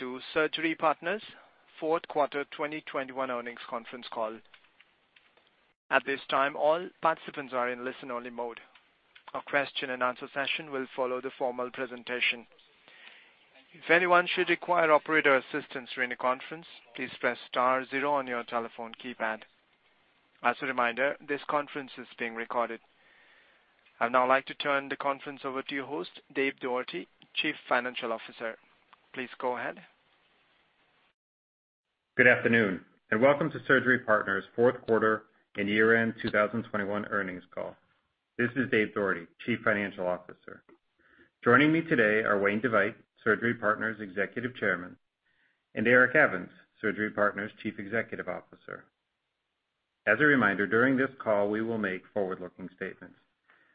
to Surgery Partners' fourth quarter 2021 earnings conference call. At this time, all participants are in listen-only mode. A question and answer session will follow the formal presentation. If anyone should require operator assistance during the conference, please press star zero on your telephone keypad. As a reminder, this conference is being recorded. I'd now like to turn the conference over to your host, Dave Doherty, Chief Financial Officer. Please go ahead. Good afternoon, and welcome to Surgery Partners' fourth quarter and year-end 2021 earnings call. This is Dave Doherty, Chief Financial Officer. Joining me today are Wayne DeVeydt, Surgery Partners' Executive Chairman, and Eric Evans, Surgery Partners' Chief Executive Officer. As a reminder, during this call we will make forward-looking statements.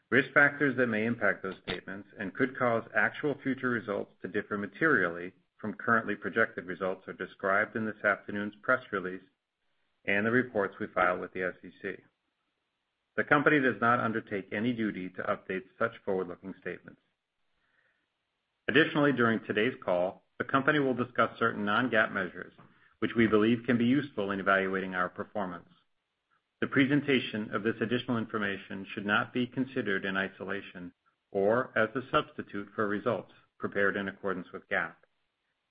Risk factors that may impact those statements and could cause actual future results to differ materially from currently projected results are described in this afternoon's press release and the reports we file with the SEC. The company does not undertake any duty to update such forward-looking statements. Additionally, during today's call, the company will discuss certain non-GAAP measures which we believe can be useful in evaluating our performance. The presentation of this additional information should not be considered in isolation or as a substitute for results prepared in accordance with GAAP.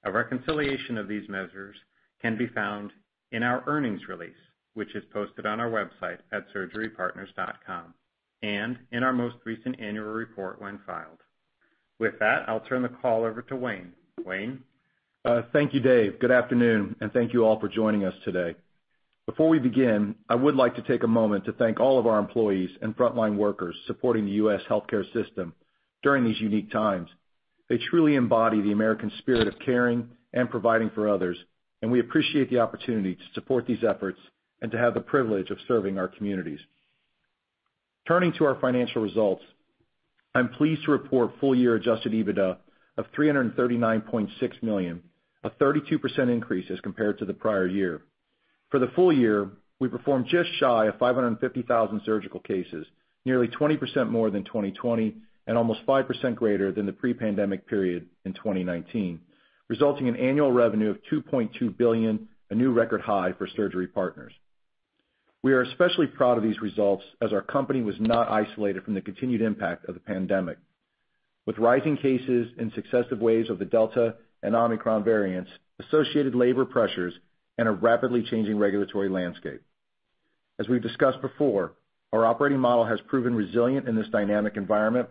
A reconciliation of these measures can be found in our earnings release, which is posted on our website at surgerypartners.com, and in our most recent annual report when filed. With that, I'll turn the call over to Wayne. Wayne? Thank you, Dave. Good afternoon, and thank you all for joining us today. Before we begin, I would like to take a moment to thank all of our employees and frontline workers supporting the U.S. healthcare system during these unique times. They truly embody the American spirit of caring and providing for others, and we appreciate the opportunity to support these efforts and to have the privilege of serving our communities. Turning to our financial results, I'm pleased to report full year adjusted EBITDA of $339.6 million, a 32% increase as compared to the prior year. For the full year, we performed just shy of 550,000 surgical cases, nearly 20% more than 2020 and almost 5% greater than the pre-pandemic period in 2019, resulting in annual revenue of $2.2 billion, a new record high for Surgery Partners. We are especially proud of these results as our company was not isolated from the continued impact of the pandemic with rising cases and successive waves of the Delta and Omicron variants, associated labor pressures, and a rapidly changing regulatory landscape. As we've discussed before, our operating model has proven resilient in this dynamic environment,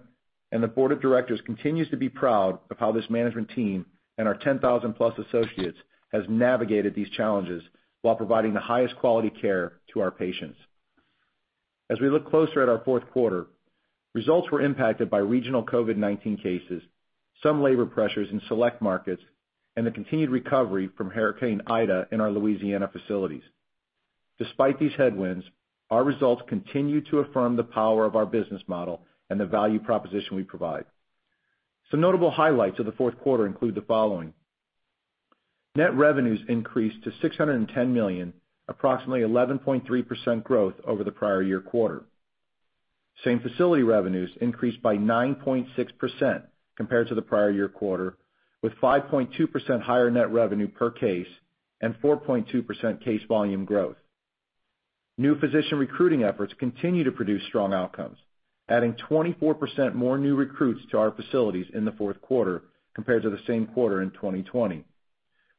and the Board of Directors continues to be proud of how this management team and our 10,000+ associates has navigated these challenges while providing the highest quality care to our patients. As we look closer at our fourth quarter, results were impacted by regional COVID-19 cases, some labor pressures in select markets, and the continued recovery from Hurricane Ida in our Louisiana facilities. Despite these headwinds, our results continue to affirm the power of our business model and the value proposition we provide. Some notable highlights of the fourth quarter include the following. Net revenues increased to $610 million, approximately 11.3% growth over the prior-year quarter. Same-facility revenues increased by 9.6% compared to the prior year quarter, with 5.2% higher net revenue per case and 4.2% case volume growth. New physician recruiting efforts continue to produce strong outcomes, adding 24% more new recruits to our facilities in the fourth quarter compared to the same quarter in 2020.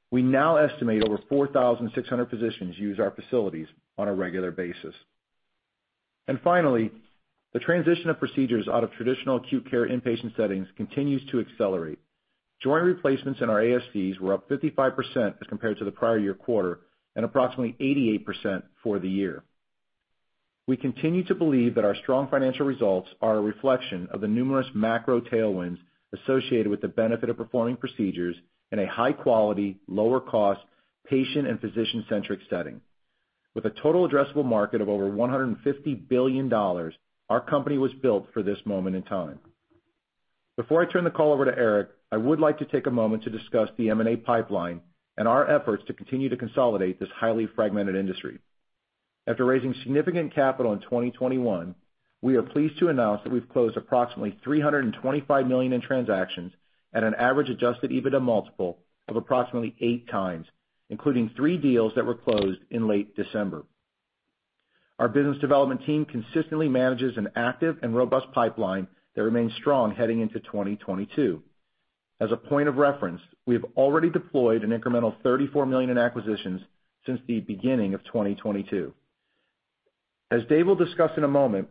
We now estimate over 4,600 physicians use our facilities on a regular basis. Finally, the transition of procedures out of traditional acute care inpatient settings continues to accelerate. Joint replacements in our ASCs were up 55% as compared to the prior-year quarter and approximately 88% for the year. We continue to believe that our strong financial results are a reflection of the numerous macro tailwinds associated with the benefit of performing procedures in a high quality, lower cost patient and physician-centric setting. With a total addressable market of over $150 billion, our company was built for this moment in time. Before I turn the call over to Eric, I would like to take a moment to discuss the M&A pipeline and our efforts to continue to consolidate this highly fragmented industry. After raising significant capital in 2021, we are pleased to announce that we've closed approximately $325 million in transactions at an average adjusted EBITDA multiple of approximately 8x, including three deals that were closed in late December. Our business development team consistently manages an active and robust pipeline that remains strong heading into 2022. As a point of reference, we have already deployed an incremental $34 million in acquisitions since the beginning of 2022. As Dave will discuss in a moment,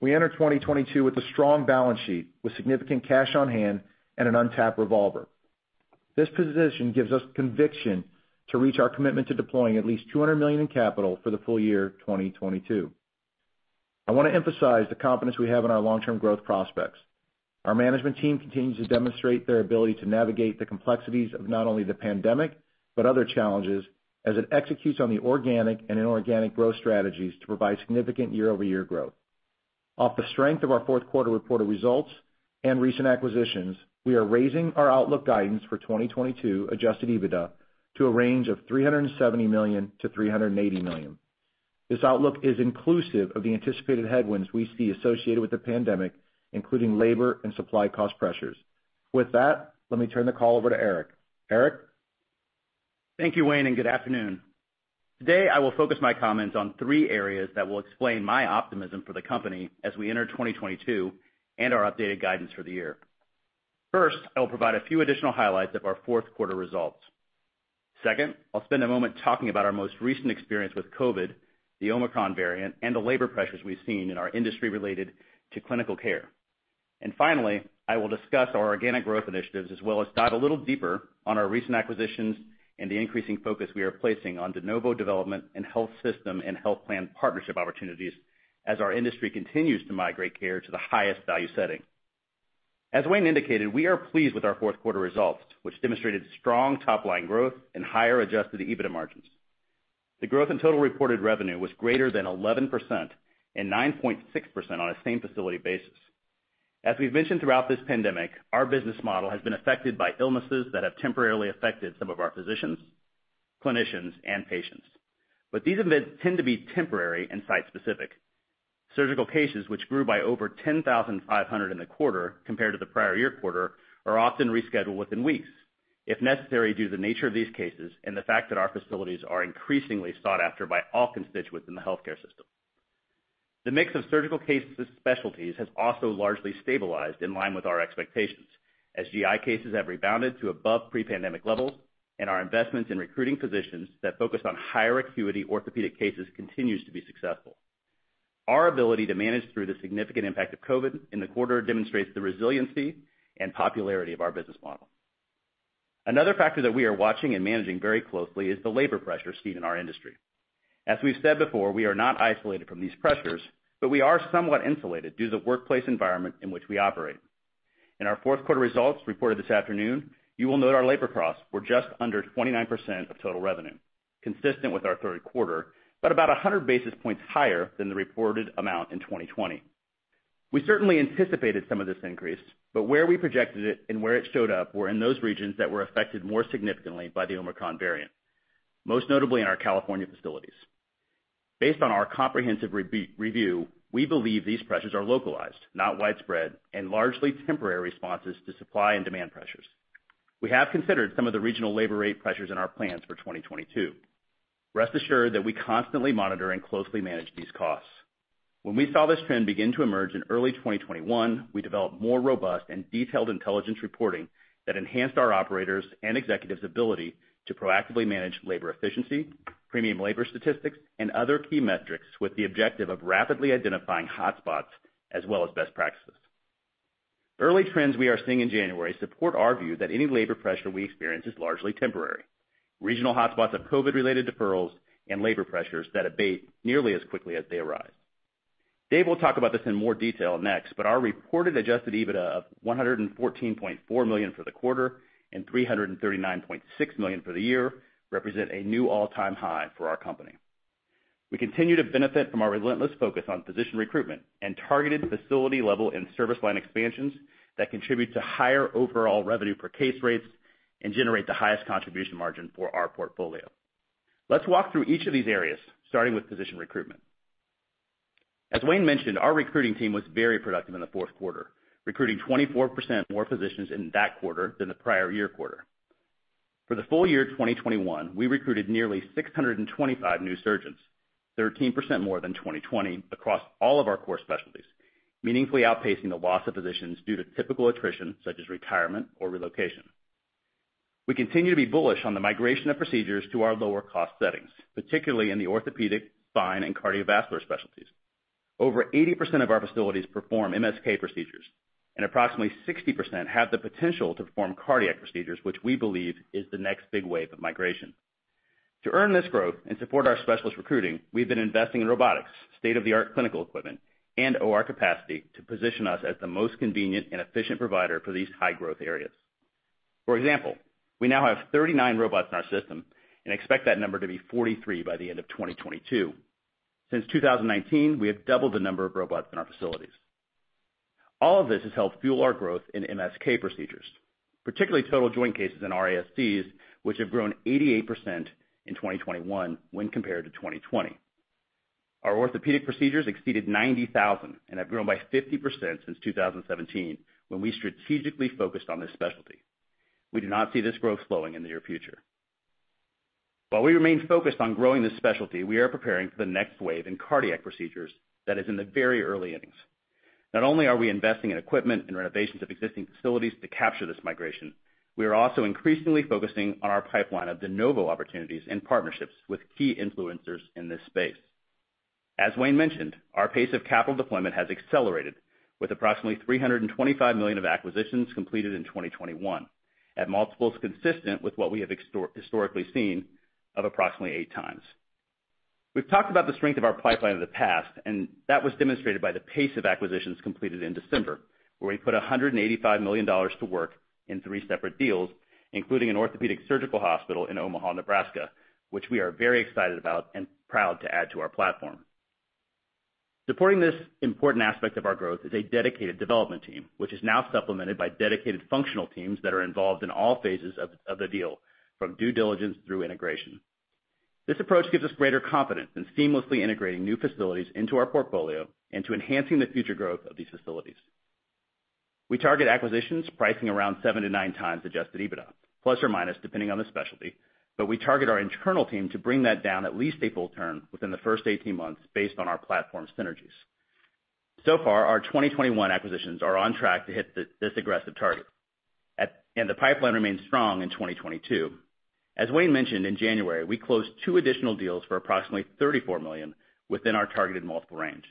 we enter 2022 with a strong balance sheet with significant cash on hand and an untapped revolver. This position gives us conviction to reach our commitment to deploying at least $200 million in capital for the full year 2022. I wanna emphasize the confidence we have in our long-term growth prospects. Our management team continues to demonstrate their ability to navigate the complexities of not only the pandemic, but other challenges as it executes on the organic and inorganic growth strategies to provide significant year-over-year growth. Off the strength of our fourth quarter reported results and recent acquisitions, we are raising our outlook guidance for 2022 adjusted EBITDA to a range of $370 million-$380 million. This outlook is inclusive of the anticipated headwinds we see associated with the pandemic, including labor and supply cost pressures. With that, let me turn the call over to Eric. Eric? Thank you, Wayne, and good afternoon. Today, I will focus my comments on three areas that will explain my optimism for the company as we enter 2022 and our updated guidance for the year. First, I will provide a few additional highlights of our fourth quarter results. Second, I'll spend a moment talking about our most recent experience with COVID, the Omicron variant, and the labor pressures we've seen in our industry related to clinical care. Finally, I will discuss our organic growth initiatives as well as dive a little deeper on our recent acquisitions and the increasing focus we are placing on de novo development and health system and health plan partnership opportunities as our industry continues to migrate care to the highest value setting. As Wayne indicated, we are pleased with our fourth quarter results, which demonstrated strong top-line growth and higher adjusted EBITDA margins. The growth in total reported revenue was greater than 11% and 9.6% on a same facility basis. As we've mentioned throughout this pandemic, our business model has been affected by illnesses that have temporarily affected some of our physicians, clinicians, and patients. These events tend to be temporary and site-specific. Surgical cases, which grew by over 10,500 in the quarter compared to the prior-year quarter, are often rescheduled within weeks if necessary, due to the nature of these cases and the fact that our facilities are increasingly sought after by all constituents in the healthcare system. The mix of surgical cases and specialties has also largely stabilized in line with our expectations as GI cases have rebounded to above pre-pandemic levels and our investments in recruiting physicians that focus on higher acuity orthopedic cases continues to be successful. Our ability to manage through the significant impact of COVID in the quarter demonstrates the resiliency and popularity of our business model. Another factor that we are watching and managing very closely is the labor pressures seen in our industry. As we've said before, we are not isolated from these pressures, but we are somewhat insulated due to the workplace environment in which we operate. In our fourth quarter results reported this afternoon, you will note our labor costs were just under 29% of total revenue, consistent with our third quarter, but about 100 basis points higher than the reported amount in 2020. We certainly anticipated some of this increase, but where we projected it and where it showed up were in those regions that were affected more significantly by the Omicron variant, most notably in our California facilities. Based on our comprehensive review, we believe these pressures are localized, not widespread, and largely temporary responses to supply and demand pressures. We have considered some of the regional labor rate pressures in our plans for 2022. Rest assured that we constantly monitor and closely manage these costs. When we saw this trend begin to emerge in early 2021, we developed more robust and detailed intelligence reporting that enhanced our operators' and executives' ability to proactively manage labor efficiency, premium labor statistics, and other key metrics with the objective of rapidly identifying hotspots as well as best practices. Early trends we are seeing in January support our view that any labor pressure we experience is largely temporary. Regional hotspots have COVID-related deferrals and labor pressures that abate nearly as quickly as they arise. Dave will talk about this in more detail next, but our reported adjusted EBITDA of $114.4 million for the quarter and $339.6 million for the year represent a new all-time high for our company. We continue to benefit from our relentless focus on physician recruitment and targeted facility level and service line expansions that contribute to higher overall revenue per case rates and generate the highest contribution margin for our portfolio. Let's walk through each of these areas, starting with physician recruitment. As Wayne mentioned, our recruiting team was very productive in the fourth quarter, recruiting 24% more physicians in that quarter than the prior-year quarter. For the full year 2021, we recruited nearly 625 new surgeons, 13% more than 2020, across all of our core specialties, meaningfully outpacing the loss of physicians due to typical attrition, such as retirement or relocation. We continue to be bullish on the migration of procedures to our lower cost settings, particularly in the orthopedic, spine, and cardiovascular specialties. Over 80% of our facilities perform MSK procedures, and approximately 60% have the potential to perform cardiac procedures, which we believe is the next big wave of migration. To earn this growth and support our specialist recruiting, we've been investing in robotics, state-of-the-art clinical equipment, and OR capacity to position us as the most convenient and efficient provider for these high-growth areas. For example, we now have 39 robots in our system and expect that number to be 43 by the end of 2022. Since 2019, we have doubled the number of robots in our facilities. All of this has helped fuel our growth in MSK procedures, particularly total joint cases in our ASCs, which have grown 88% in 2021 when compared to 2020. Our orthopedic procedures exceeded 90,000 and have grown by 50% since 2017, when we strategically focused on this specialty. We do not see this growth slowing in the near future. While we remain focused on growing this specialty, we are preparing for the next wave in cardiac procedures that is in the very early innings. Not only are we investing in equipment and renovations of existing facilities to capture this migration, we are also increasingly focusing on our pipeline of de novo opportunities and partnerships with key influencers in this space. As Wayne mentioned, our pace of capital deployment has accelerated with approximately $325 million of acquisitions completed in 2021 at multiples consistent with what we have historically seen of approximately 8x. We've talked about the strength of our pipeline in the past, and that was demonstrated by the pace of acquisitions completed in December, where we put $185 million to work in three separate deals, including an orthopedic surgical hospital in Omaha, Nebraska, which we are very excited about and proud to add to our platform. Supporting this important aspect of our growth is a dedicated development team, which is now supplemented by dedicated functional teams that are involved in all phases of the deal, from due diligence through integration. This approach gives us greater confidence in seamlessly integrating new facilities into our portfolio and to enhancing the future growth of these facilities. We target acquisitions pricing around 7x-9x adjusted EBITDA, plus or minus depending on the specialty, but we target our internal team to bring that down at least a full turn within the first 18 months based on our platform synergies. So far, our 2021 acquisitions are on track to hit this aggressive target. The pipeline remains strong in 2022. As Wayne mentioned, in January, we closed two additional deals for approximately $34 million within our targeted multiple range.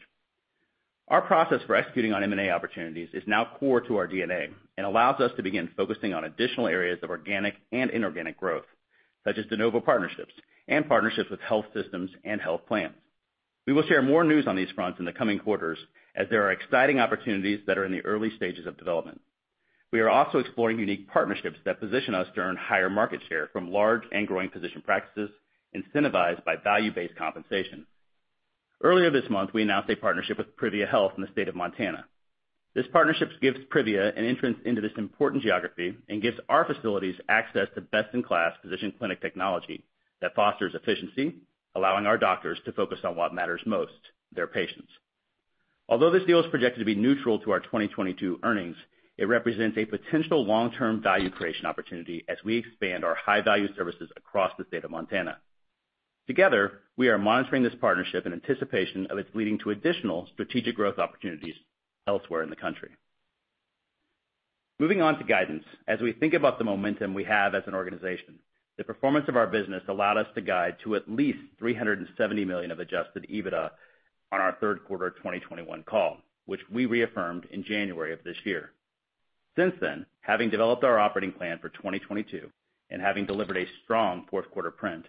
Our process for executing on M&A opportunities is now core to our DNA and allows us to begin focusing on additional areas of organic and inorganic growth, such as de novo partnerships and partnerships with health systems and health plans. We will share more news on these fronts in the coming quarters as there are exciting opportunities that are in the early stages of development. We are also exploring unique partnerships that position us to earn higher market share from large and growing physician practices incentivized by value-based compensation. Earlier this month, we announced a partnership with Privia Health in the state of Montana. This partnership gives Privia an entrance into this important geography and gives our facilities access to best-in-class physician clinic technology that fosters efficiency, allowing our doctors to focus on what matters most, their patients. Although this deal is projected to be neutral to our 2022 earnings, it represents a potential long-term value creation opportunity as we expand our high-value services across the state of Montana. Together, we are monitoring this partnership in anticipation of its leading to additional strategic growth opportunities elsewhere in the country. Moving on to guidance. As we think about the momentum we have as an organization, the performance of our business allowed us to guide to at least $370 million of adjusted EBITDA on our third quarter of 2021 call, which we reaffirmed in January of this year. Since then, having developed our operating plan for 2022 and having delivered a strong fourth quarter print,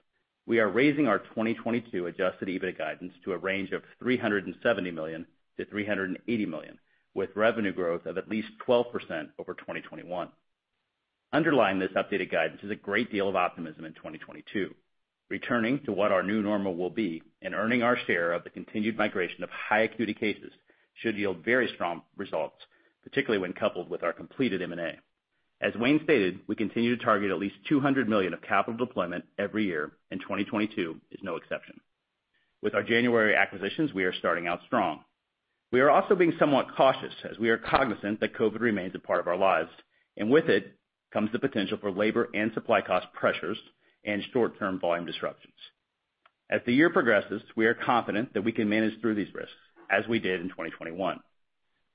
we are raising our 2022 adjusted EBITDA guidance to a range of $370 million-$380 million, with revenue growth of at least 12% over 2021. Underlying this updated guidance is a great deal of optimism in 2022. Returning to what our new normal will be and earning our share of the continued migration of high acuity cases should yield very strong results, particularly when coupled with our completed M&A. As Wayne stated, we continue to target at least $200 million of capital deployment every year, and 2022 is no exception. With our January acquisitions, we are starting out strong. We are also being somewhat cautious as we are cognizant that COVID remains a part of our lives, and with it comes the potential for labor and supply cost pressures and short-term volume disruptions. As the year progresses, we are confident that we can manage through these risks as we did in 2021.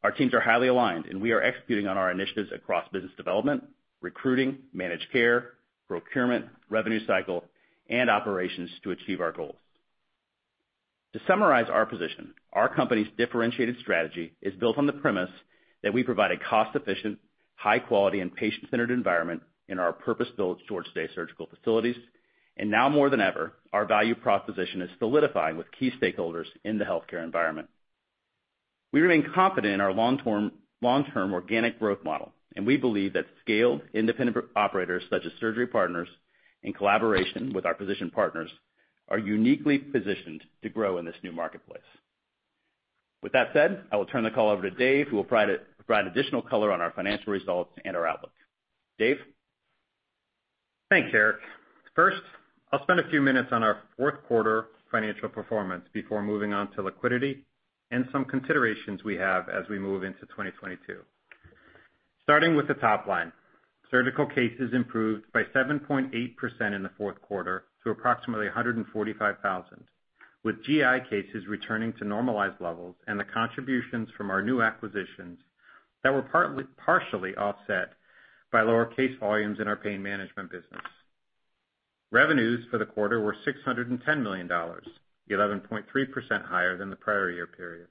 Our teams are highly aligned, and we are executing on our initiatives across business development, recruiting, managed care, procurement, revenue cycle, and operations to achieve our goals. To summarize our position, our company's differentiated strategy is built on the premise that we provide a cost-efficient, high quality, and patient-centered environment in our purpose-built short stay surgical facilities. Now more than ever, our value proposition is solidified with key stakeholders in the healthcare environment. We remain confident in our long-term organic growth mode. We believe that scaled independent operators such as Surgery Partners, in collaboration with our physician partners, are uniquely positioned to grow in this new marketplace. With that said, I will turn the call over to Dave, who will provide additional color on our financial results and our outlook. Dave? Thanks, Eric. First, I'll spend a few minutes on our fourth quarter financial performance before moving on to liquidity and some considerations we have as we move into 2022. Starting with the top line, surgical cases improved by 7.8% in the fourth quarter to approximately 145,000, with GI cases returning to normalized levels and the contributions from our new acquisitions that were partially offset by lower case volumes in our pain management business. Revenues for the quarter were $610 million, 11.3% higher than the prior-year period.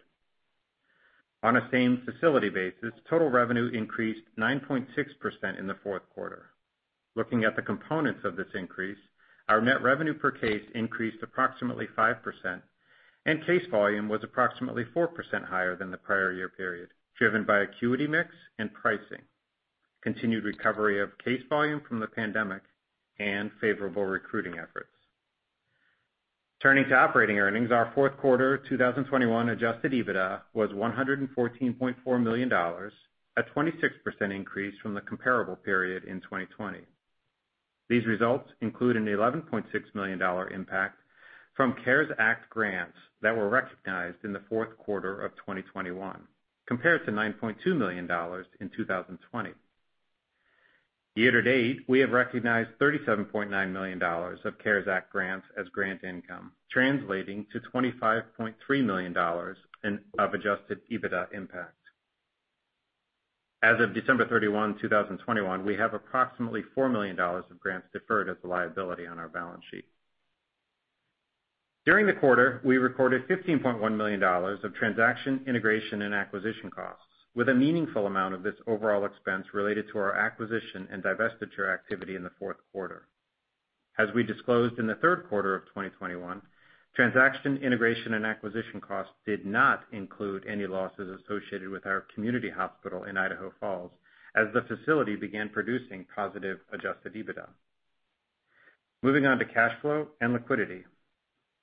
On a same facility basis, total revenue increased 9.6% in the fourth quarter. Looking at the components of this increase, our net revenue per case increased approximately 5%, and case volume was approximately 4% higher than the prior year period, driven by acuity mix and pricing, continued recovery of case volume from the pandemic, and favorable recruiting efforts. Turning to operating earnings. Our fourth quarter 2021 adjusted EBITDA was $114.4 million, a 26% increase from the comparable period in 2020. These results include an $11.6 million impact from CARES Act grants that were recognized in the fourth quarter of 2021, compared to $9.2 million in 2020. Year to date, we have recognized $37.9 million of CARES Act grants as grant income, translating to $25.3 million of adjusted EBITDA impact. As of December 31, 2021, we have approximately $4 million of grants deferred as a liability on our balance sheet. During the quarter, we recorded $15.1 million of transaction, integration, and acquisition costs, with a meaningful amount of this overall expense related to our acquisition and divestiture activity in the fourth quarter. As we disclosed in the third quarter of 2021, transaction, integration, and acquisition costs did not include any losses associated with our community hospital in Idaho Falls as the facility began producing positive adjusted EBITDA. Moving on to cash flow and liquidity.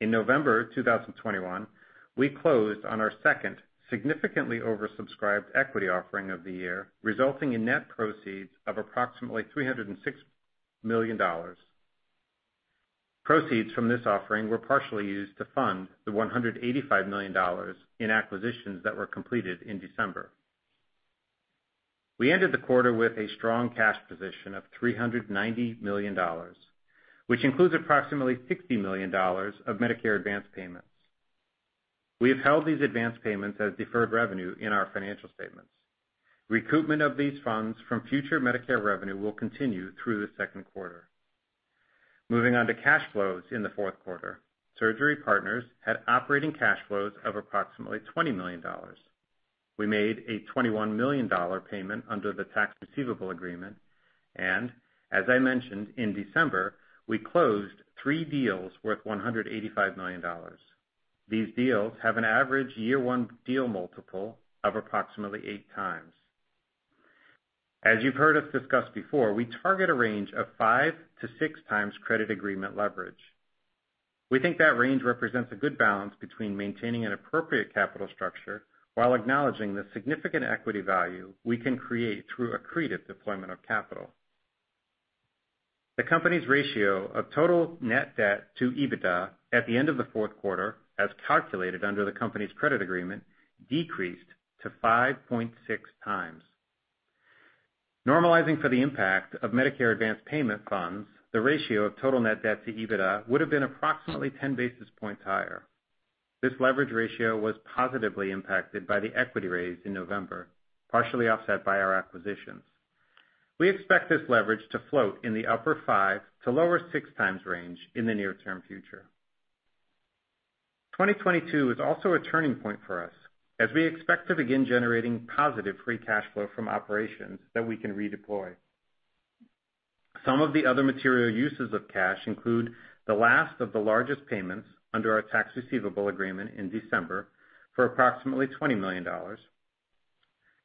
In November 2021, we closed on our second significantly oversubscribed equity offering of the year, resulting in net proceeds of approximately $306 million. Proceeds from this offering were partially used to fund the $185 million in acquisitions that were completed in December. We ended the quarter with a strong cash position of $390 million, which includes approximately $60 million of Medicare advanced payments. We have held these advanced payments as deferred revenue in our financial statements. Recoupment of these funds from future Medicare revenue will continue through the second quarter. Moving on to cash flows in the fourth quarter. Surgery Partners had operating cash flows of approximately $20 million. We made a $21 million payment under the tax receivable agreement, and as I mentioned, in December, we closed three deals worth $185 million. These deals have an average year one deal multiple of approximately 8x. As you've heard us discuss before, we target a range of 5x-6x credit agreement leverage. We think that range represents a good balance between maintaining an appropriate capital structure while acknowledging the significant equity value we can create through accreted deployment of capital. The company's ratio of total net debt to EBITDA at the end of the fourth quarter, as calculated under the company's credit agreement, decreased to 5.6x. Normalizing for the impact of Medicare advanced payment funds, the ratio of total net debt to EBITDA would have been approximately 10 basis points higher. This leverage ratio was positively impacted by the equity raise in November, partially offset by our acquisitions. We expect this leverage to float in the upper 5x to lower 6x range in the near-term future. 2022 is also a turning point for us as we expect to begin generating positive free cash flow from operations that we can redeploy. Some of the other material uses of cash include the last of the largest payments under our tax receivable agreement in December for approximately $20 million,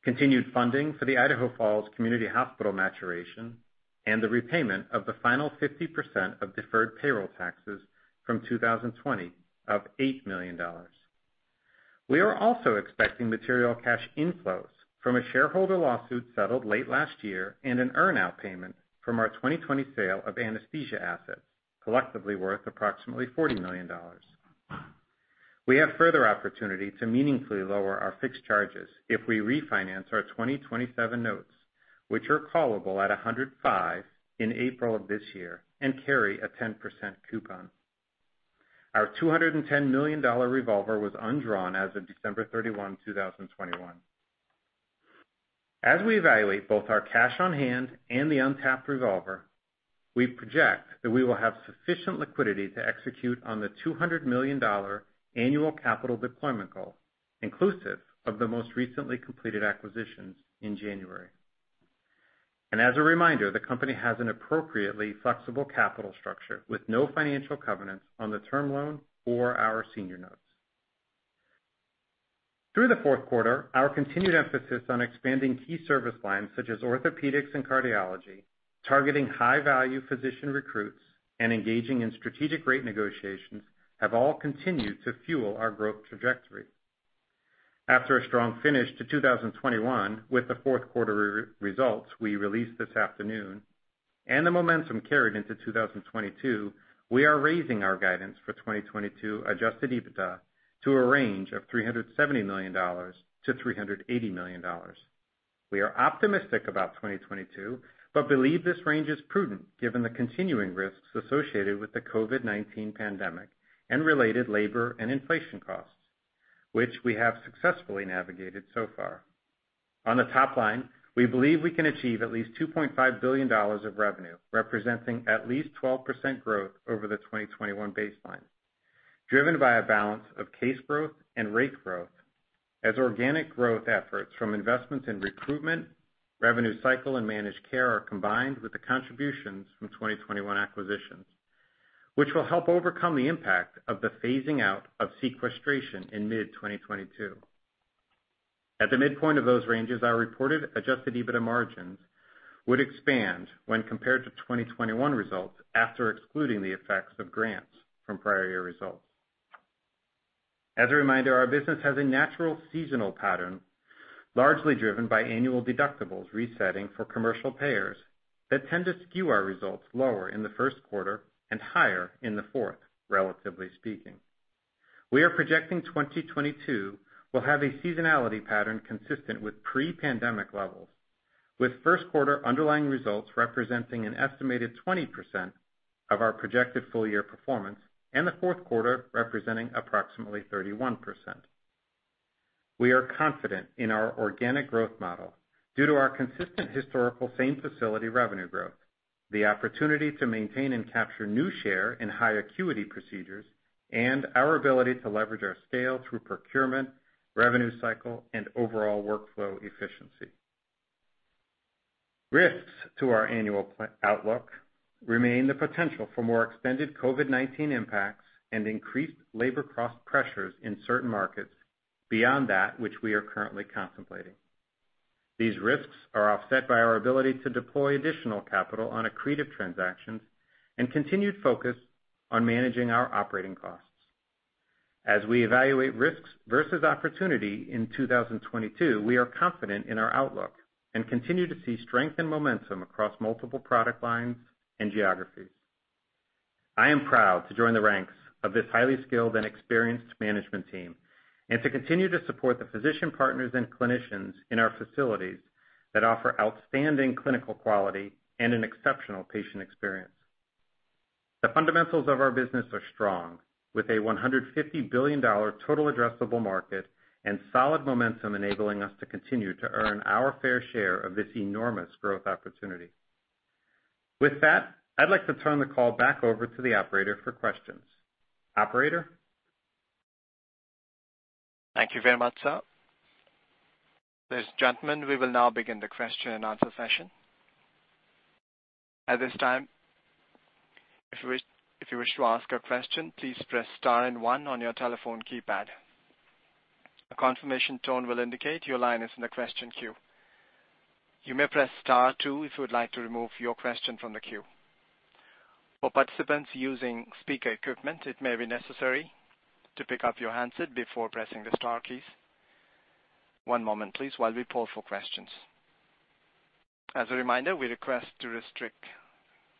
continued funding for the Idaho Falls Community Hospital maturation, and the repayment of the final 50% of deferred payroll taxes from 2020 of $8 million. We are also expecting material cash inflows from a shareholder lawsuit settled late last year and an earn out payment from our 2020 sale of anesthesia assets, collectively worth approximately $40 million. We have further opportunity to meaningfully lower our fixed charges if we refinance our 2027 notes, which are callable at 105% in April of this year and carry a 10% coupon. Our $210 million revolver was undrawn as of December 31, 2021. As we evaluate both our cash on hand and the untapped revolver, we project that we will have sufficient liquidity to execute on the $200 million annual capital deployment goal, inclusive of the most recently completed acquisitions in January. As a reminder, the company has an appropriately flexible capital structure with no financial covenants on the term loan or our senior notes. Through the fourth quarter, our continued emphasis on expanding key service lines such as orthopedics and cardiology, targeting high-value physician recruits, and engaging in strategic rate negotiations have all continued to fuel our growth trajectory. After a strong finish to 2021 with the fourth quarter results we released this afternoon and the momentum carried into 2022, we are raising our guidance for 2022 adjusted EBITDA to a range of $370 million-$380 million. We are optimistic about 2022, but believe this range is prudent given the continuing risks associated with the COVID-19 pandemic and related labor and inflation costs, which we have successfully navigated so far. On the top line, we believe we can achieve at least $2.5 billion of revenue, representing at least 12% growth over the 2021 baseline, driven by a balance of case growth and rate growth as organic growth efforts from investments in recruitment, revenue cycle, and managed care are combined with the contributions from 2021 acquisitions, which will help overcome the impact of the phasing out of sequestration in mid-2022. At the midpoint of those ranges, our reported adjusted EBITDA margins would expand when compared to 2021 results after excluding the effects of grants from prior year results. As a reminder, our business has a natural seasonal pattern, largely driven by annual deductibles resetting for commercial payers that tend to skew our results lower in the first quarter and higher in the fourth, relatively speaking. We are projecting 2022 will have a seasonality pattern consistent with pre-pandemic levels, with first quarter underlying results representing an estimated 20% of our projected full year performance and the fourth quarter representing approximately 31%. We are confident in our organic growth model due to our consistent historical same-facility revenue growth, the opportunity to maintain and capture new share in high acuity procedures, and our ability to leverage our scale through procurement, revenue cycle, and overall workflow efficiency. Risks to our annual outlook remain the potential for more extended COVID-19 impacts and increased labor cost pressures in certain markets beyond that which we are currently contemplating. These risks are offset by our ability to deploy additional capital on accretive transactions and continued focus on managing our operating costs. As we evaluate risks versus opportunity in 2022, we are confident in our outlook and continue to see strength and momentum across multiple product lines and geographies. I am proud to join the ranks of this highly skilled and experienced management team, and to continue to support the physician partners and clinicians in our facilities that offer outstanding clinical quality and an exceptional patient experience. The fundamentals of our business are strong, with a $150 billion total addressable market and solid momentum enabling us to continue to earn our fair share of this enormous growth opportunity. With that, I'd like to turn the call back over to the operator for questions. Operator? Thank you very much, sir. Ladies and gentlemen, we will now begin the question and answer session. At this time, if you wish to ask a question, please press star and one on your telephone keypad. A confirmation tone will indicate your line is in the question queue. You may press star two if you would like to remove your question from the queue. For participants using speaker equipment, it may be necessary to pick up your handset before pressing the star keys. One moment, please, while we poll for questions. As a reminder, we request to restrict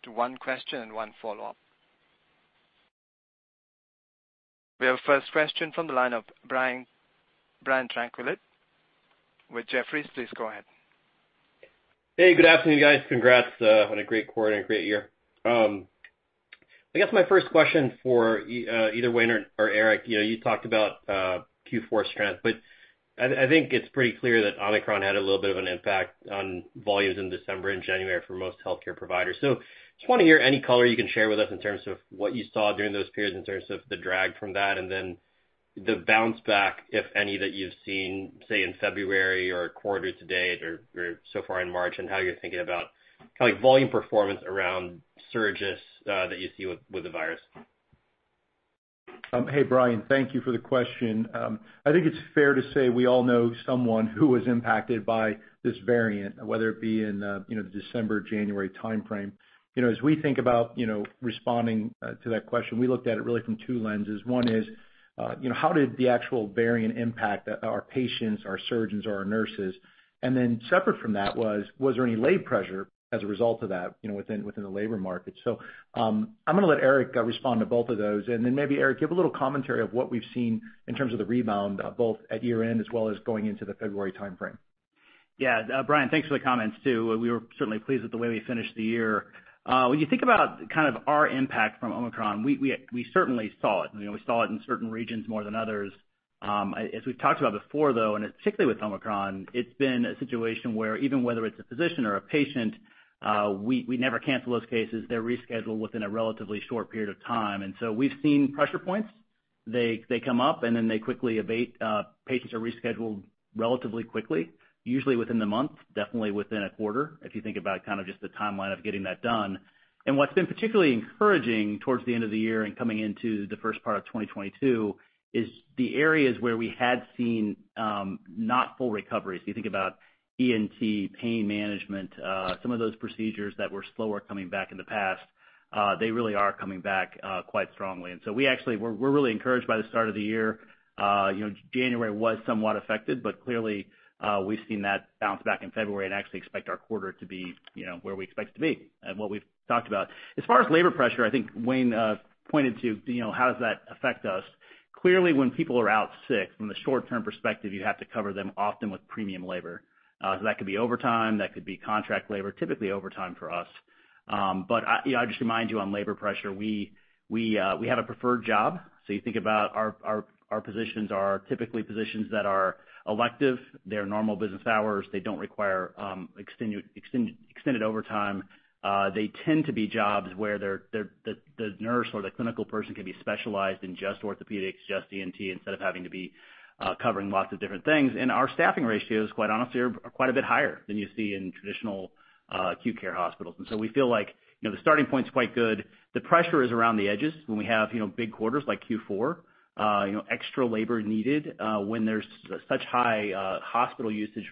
to one question and one follow-up. We have first question from the line of Brian Tanquilut with Jefferies. Please go ahead. Hey, good afternoon, guys. Congrats on a great quarter and a great year. I guess my first question for either Wayne or Eric, you know, you talked about Q4 strength, but I think it's pretty clear that Omicron had a little bit of an impact on volumes in December and January for most healthcare providers. Just wanna hear any color you can share with us in terms of what you saw during those periods in terms of the drag from that. Then the bounce back, if any that you've seen, say, in February or quarter-to-date or so far in March, and how you're thinking about kind of like volume performance around surges that you see with the virus? Hey, Brian. Thank you for the question. I think it's fair to say we all know someone who was impacted by this variant whether it be in, you know, the December-January timeframe. You know, as we think about, you know, responding to that question, we looked at it really from two lenses. One is, you know, how did the actual variant impact our patients, our surgeons or our nurses? And then separate from that was there any labor pressure as a result of that, you know, within the labor market? I'm gonna let Eric respond to both of those, and then maybe, Eric, give a little commentary of what we've seen in terms of the rebound, both at year-end as well as going into the February timeframe. Yeah. Brian, thanks for the comments too. We were certainly pleased with the way we finished the year. When you think about kind of our impact from Omicron, we certainly saw it. You know, we saw it in certain regions more than others. As we've talked about before though, and particularly with Omicron, it's been a situation where even whether it's a physician or a patient, we never cancel those cases. They're rescheduled within a relatively short period of time. We've seen pressure points. They come up, and then they quickly abate. Patients are rescheduled relatively quickly, usually within the month. Definitely within a quarter, if you think about kind of just the timeline of getting that done. What's been particularly encouraging towards the end of the year and coming into the first part of 2022 is the areas where we had seen not full recoveries. You think about ENT, pain management, some of those procedures that were slower coming back in the past, they really are coming back quite strongly. We're really encouraged by the start of the year. You know, January was somewhat affected, but clearly, we've seen that bounce back in February and actually expect our quarter to be, you know, where we expect it to be and what we've talked about. As far as labor pressure, I think Wayne pointed to, you know, how does that affect us. Clearly, when people are out sick from the short-term perspective, you have to cover them often with premium labor. That could be overtime, that could be contract labor. Typically overtime for us. You know, I just remind you on labor pressure, we have a preferred job. You think about our positions are typically positions that are elective. They're normal business hours. They don't require extended overtime. They tend to be jobs where the nurse or the clinical person can be specialized in just orthopedics, just ENT, instead of having to be covering lots of different things. Our staffing ratios quite honestly are quite a bit higher than you see in traditional acute care hospitals. We feel like, you know, the starting point's quite good. The pressure is around the edges. When we have, you know, big quarters like Q4. You know, extra labor needed when there's such high hospital usage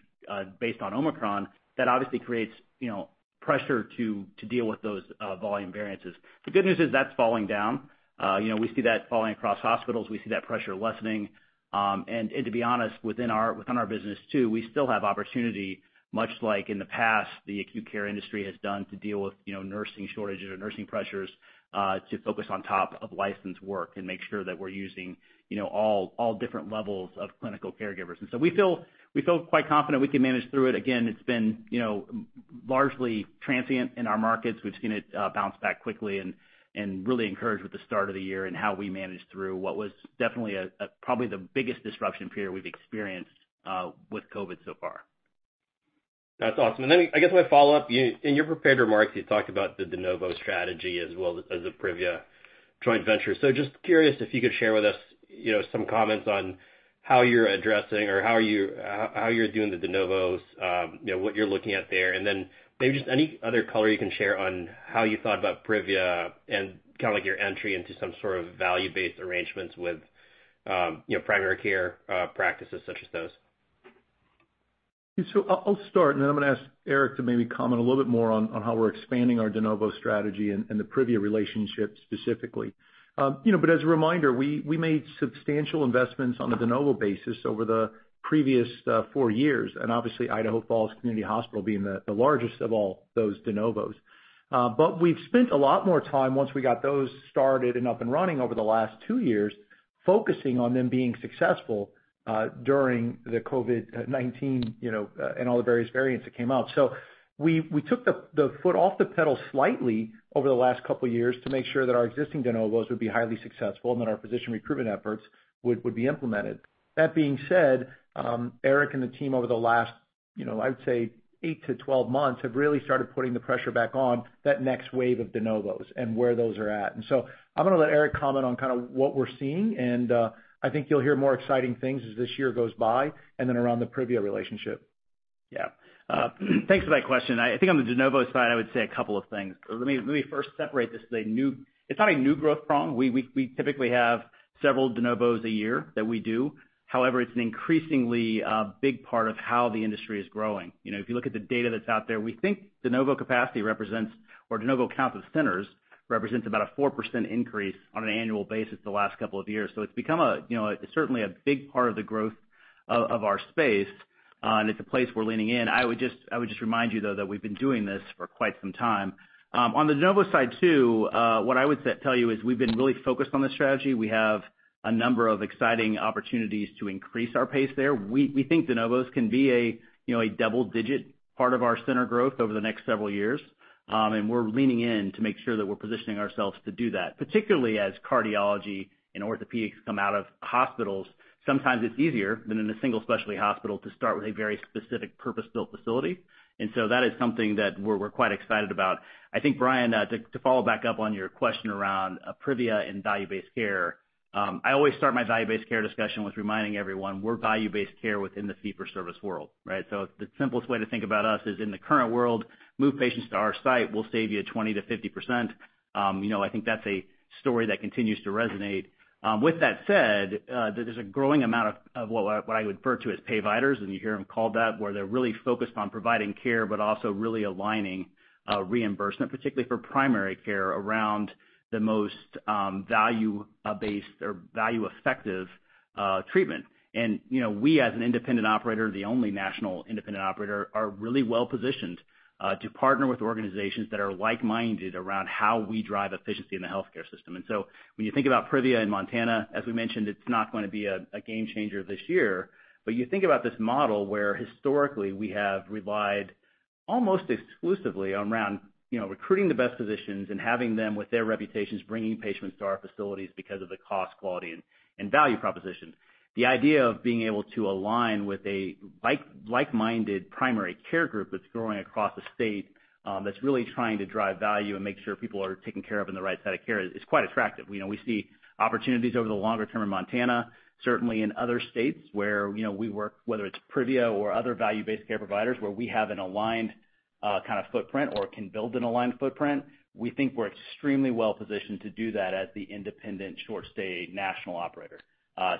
based on Omicron, that obviously creates, you know, pressure to deal with those volume variances. The good news is that's falling down. You know, we see that falling across hospitals. We see that pressure lessening. And to be honest, within our business too, we still have opportunity much like in the past. The acute care industry has done to deal with, you know, nursing shortages or nursing pressures, to focus on top of license work and make sure that we're using, you know, all different levels of clinical caregivers. And so we feel quite confident we can manage through it. Again, it's been, you know, largely transient in our markets. We've seen it bounce back quickly and we're really encouraged with the start of the year and how we managed through what was definitely probably the biggest disruption period we've experienced with COVID so far. That's awesome. I guess my follow-up in your prepared remarks, you talked about the de novo strategy as well as the Privia joint venture. Just curious if you could share with us some comments on how you're addressing or how you're doing the de novos, what you're looking at there. Maybe just any other color you can share on how you thought about Privia and kinda like your entry into some sort of value-based arrangements with primary care practices such as those. I'll start and then I'm gonna ask Eric to maybe comment a little bit more on how we're expanding our de novo strategy and the Privia relationship specifically. You know, as a reminder, we made substantial investments on a de novo basis over the previous four years, and obviously Idaho Falls Community Hospital being the largest of all those de novos. We've spent a lot more time once we got those started and up and running over the last two years, focusing on them being successful during the COVID-19, you know, and all the various variants that came out. We took the foot off the pedal slightly over the last couple years to make sure that our existing de novos would be highly successful and that our physician recruitment efforts would be implemented. That being said, Eric and the team over the last, you know, I'd say eight to 12 months, have really started putting the pressure back on that next wave of de novos and where those are at. I'm gonna let Eric comment on kind of what we're seeing, and I think you'll hear more exciting things as this year goes by and then around the Privia relationship. Yeah. Thanks for that question. I think on the de novos side, I would say a couple of things. Let me first separate this. It's not a new growth prong. We typically have several de novos a year that we do. However, it's an increasingly big part of how the industry is growing. You know, if you look at the data that's out there, we think de novo capacity represents, or de novo count of centers represents about a 4% increase on an annual basis the last couple of years. So it's become a, you know, certainly a big part of the growth of our space, and it's a place we're leaning in. I would just remind you though that we've been doing this for quite some time. On the de novo side too, what I would tell you is we've been really focused on this strategy. We have a number of exciting opportunities to increase our pace there. We think de novos can be a you know double-digit part of our center growth over the next several years, and we're leaning in to make sure that we're positioning ourselves to do that, particularly as cardiology and orthopedics come out of hospitals. Sometimes it's easier than in a single specialty hospital to start with a very specific purpose-built facility. That is something that we're quite excited about. I think, Brian, to follow back up on your question around Privia and value-based care, I always start my value-based care discussion with reminding everyone we're value-based care within the fee-for-service world, right? The simplest way to think about us is in the current world, move patients to our site, we'll save you 20%-50%. You know, I think that's a story that continues to resonate. With that said, there is a growing amount of what I refer to as payviders, and you hear them called that, where they're really focused on providing care, but also really aligning reimbursement, particularly for primary care, around the most value-based or value effective treatment. You know, we as an independent operator, the only national independent operator, are really well-positioned to partner with organizations that are like-minded around how we drive efficiency in the healthcare system. When you think about Privia in Montana, as we mentioned, it's not gonna be a game changer this year. You think about this model where historically we have relied almost exclusively around, you know, recruiting the best physicians and having them with their reputations, bringing patients to our facilities because of the cost, quality, and value proposition. The idea of being able to align with a like-minded primary care group that's growing across the state, that's really trying to drive value and make sure people are taken care of in the right set of care is quite attractive. You know, we see opportunities over the longer term in Montana. Certainly in other states where, you know, we work, whether it's Privia or other value-based care providers, where we have an aligned kind of footprint or can build an aligned footprint. We think we're extremely well positioned to do that as the independent short stay national operator.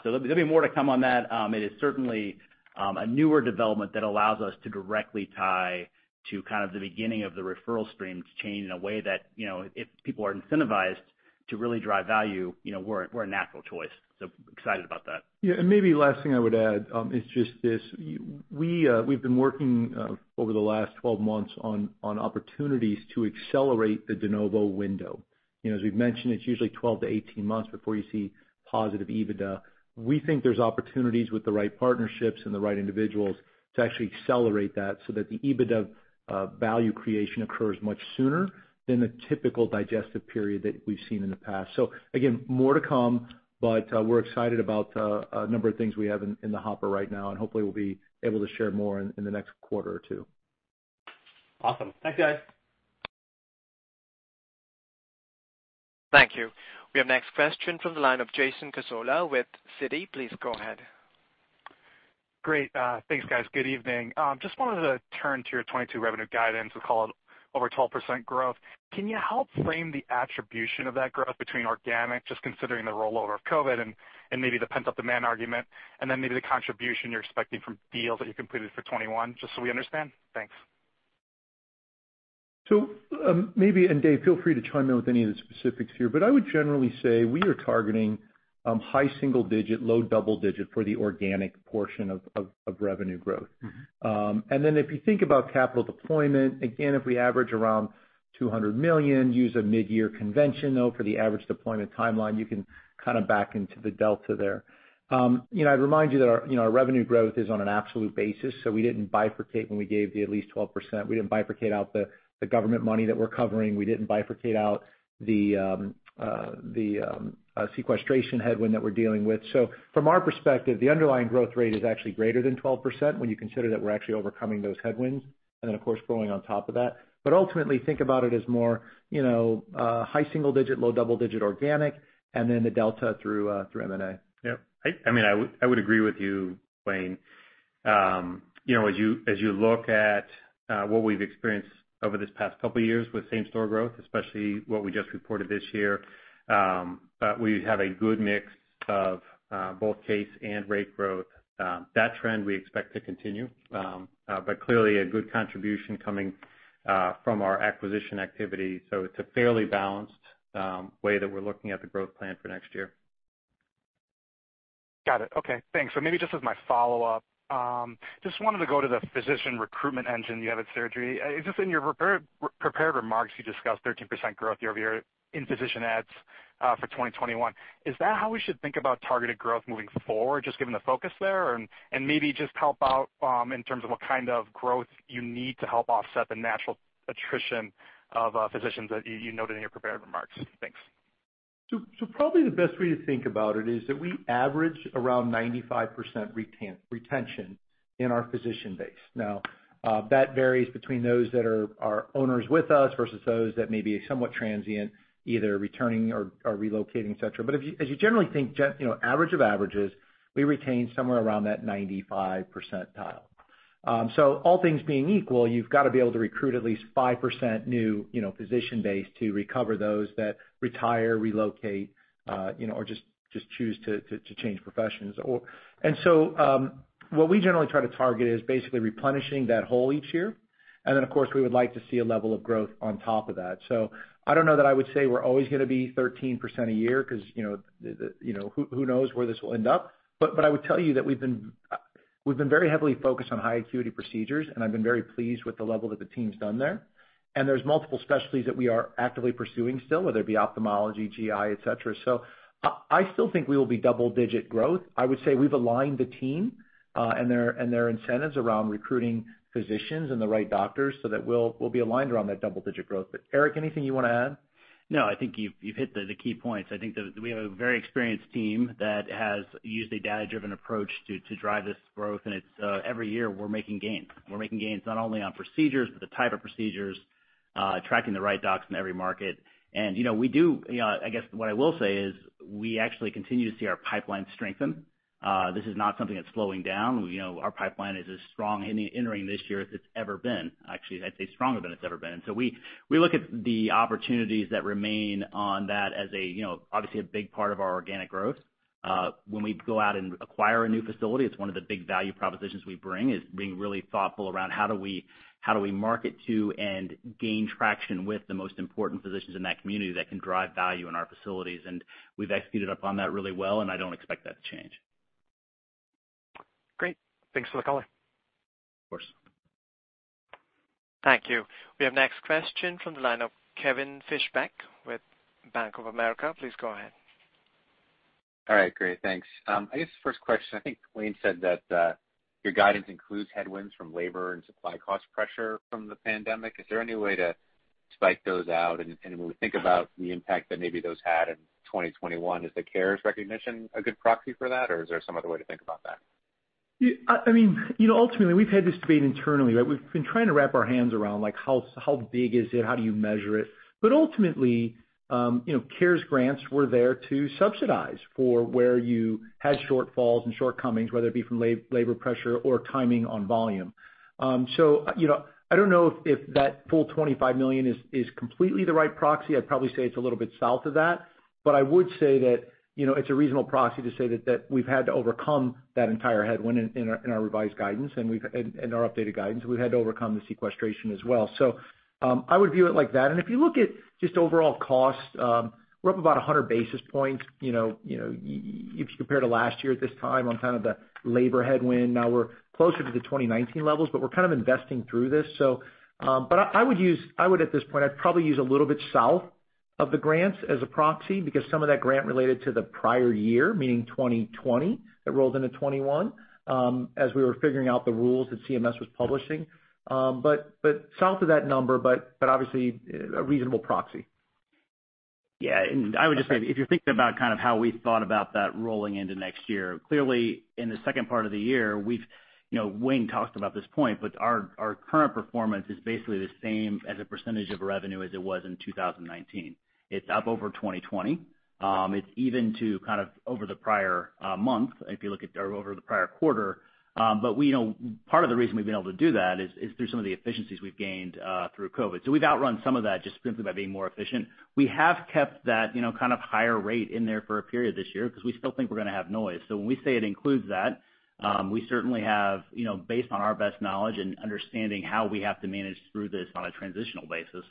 There'll be more to come on that. It is certainly a newer development that allows us to directly tie to kind of the beginning of the referral stream to change in a way that, you know, if people are incentivized to really drive value, you know, we're a natural choice. Excited about that. Yeah, maybe last thing I would add is just this. We've been working over the last 12 months on opportunities to accelerate the de novo window. You know, as we've mentioned, it's usually 12-18 months before you see positive EBITDA. We think there's opportunities with the right partnerships and the right individuals to actually accelerate that so that the EBITDA value creation occurs much sooner than the typical digestive period that we've seen in the past. More to come, but we're excited about a number of things we have in the hopper right now, and hopefully we'll be able to share more in the next quarter or two. Awesome. Thanks, guys. Thank you. We have next question from the line of Jason Cassorla with Citi. Please go ahead. Great. Thanks, guys. Good evening. Just wanted to turn to your 2022 revenue guidance. We call it over 12% growth. Can you help frame the attribution of that growth between organic, just considering the rollover of COVID and maybe the pent-up demand argument, and then maybe the contribution you're expecting from deals that you completed for 2021, just so we understand? Thanks. Maybe, and Dave, feel free to chime in with any of the specifics here. But I would generally say we are targeting high single-digit, low double-digit for the organic portion of revenue growth. Mm-hmm. If you think about capital deployment, again, if we average around $200 million, use a mid-year convention though, for the average deployment timeline, you can kind of back into the delta there. You know, I'd remind you that our, you know, our revenue growth is on an absolute basis. We didn't bifurcate when we gave the at least 12%. We didn't bifurcate out the government money that we're covering. We didn't bifurcate out the sequestration headwind that we're dealing with. So from our perspective, the underlying growth rate is actually greater than 12% when you consider that we're actually overcoming those headwinds, and then of course growing on top of that. Ultimately, think about it as more, you know, high single-digit, low double-digit organic, and then the delta through M&A. Yep. I mean, I would agree with you, Wayne. You know, as you look at what we've experienced over this past couple of years with same-store growth, especially what we just reported this year, we have a good mix of both case and rate growth. That trend we expect to continue. Clearly a good contribution coming from our acquisition activity. It's a fairly balanced way that we're looking at the growth plan for next year. Got it. Okay. Thanks. Maybe just as my follow-up. Just wanted to go to the physician recruitment engine you have at Surgery. Just in your prepared remarks, you discussed 13% growth year-over-year in physician adds for 2021. Is that how we should think about targeted growth moving forward, just given the focus there? And maybe just help out in terms of what kind of growth you need to help offset the natural attrition of physicians that you noted in your prepared remarks. Thanks. Probably the best way to think about it is that we average around 95% retention in our physician base. Now, that varies between those that are owners with us versus those that may be somewhat transient, either returning or relocating, et cetera. If you, as you generally think, you know, average of averages, we retain somewhere around that 95 percentile. All things being equal, you've got to be able to recruit at least 5% new, you know, physician base to recover those that retire, relocate, you know, or just choose to change professions. What we generally try to target is basically replenishing that hole each year. Of course, we would like to see a level of growth on top of that. I don't know that I would say we're always gonna be 13% a year because you know who knows where this will end up. I would tell you that we've been very heavily focused on high-acuity procedures, and I've been very pleased with the level that the team's done there. There's multiple specialties that we are actively pursuing still, whether it be ophthalmology, GI, et cetera. I still think we will be double-digit growth. I would say we've aligned the team and their incentives around recruiting physicians and the right doctors so that we'll be aligned around that double-digit growth. Eric, anything you wanna add? No, I think you've hit the key points. I think that we have a very experienced team that has used a data-driven approach to drive this growth. It's every year we're making gains. We're making gains not only on procedures, but the type of procedures, attracting the right docs in every market. You know, we do, you know, I guess what I will say is we actually continue to see our pipeline strengthen. This is not something that's slowing down. You know, our pipeline is as strong, entering this year, as it's ever been. Actually, I'd say stronger than it's ever been. We look at the opportunities that remain on that as a, you know, obviously a big part of our organic growth. When we go out and acquire a new facility, it's one of the big value propositions we bring, is being really thoughtful around how do we market to and gain traction with the most important physicians in that community that can drive value in our facilities. We've executed upon that really well, and I don't expect that to change. Great. Thanks for the color. Of course. Thank you. We have next question from the line of Kevin Fischbeck with Bank of America. Please go ahead. All right, great. Thanks. I guess the first question, I think Wayne said that your guidance includes headwinds from labor and supply cost pressure from the pandemic. Is there any way to size those out? And when we think about the impact that maybe those had in 2021, is the CARES recognition a good proxy for that, or is there some other way to think about that? Yeah. I mean, you know, ultimately, we've had this debate internally, right? We've been trying to wrap our hands around, like how big is it? How do you measure it? Ultimately, you know, CARES grants were there to subsidize for where you had shortfalls and shortcomings, whether it be from labor pressure or timing on volume. You know, I don't know if that full $25 million is completely the right proxy. I'd probably say it's a little bit south of that. I would say that, you know, it's a reasonable proxy to say that we've had to overcome that entire headwind in our revised guidance, and our updated guidance. We've had to overcome the sequestration as well. I would view it like that. If you look at just overall cost, we're up about 100 basis points, you know, if you compare to last year at this time on kind of the labor headwind. Now we're closer to the 2019 levels, but we're kind of investing through this. I would use at this point, I'd probably use a little bit south of the grants as a proxy because some of that grant related to the prior year, meaning 2020 that rolled into 2021, as we were figuring out the rules that CMS was publishing. South of that number, but obviously a reasonable proxy. Yeah. I would just say. If you're thinking about kind of how we thought about that rolling into next year, clearly in the second part of the year, we've, you know, Wayne talked about this point, but our current performance is basically the same as a percentage of revenue as it was in 2019. It's up over 2020. It's even to kind of over the prior month if you look at or over the prior quarter. But we know part of the reason we've been able to do that is through some of the efficiencies we've gained through COVID. So we've outrun some of that just simply by being more efficient. We have kept that, you know, kind of higher rate in there for a period this year because we still think we're gonna have noise. When we say it includes that, we certainly have, you know, based on our best knowledge and understanding how we have to manage through this on a transitional basis.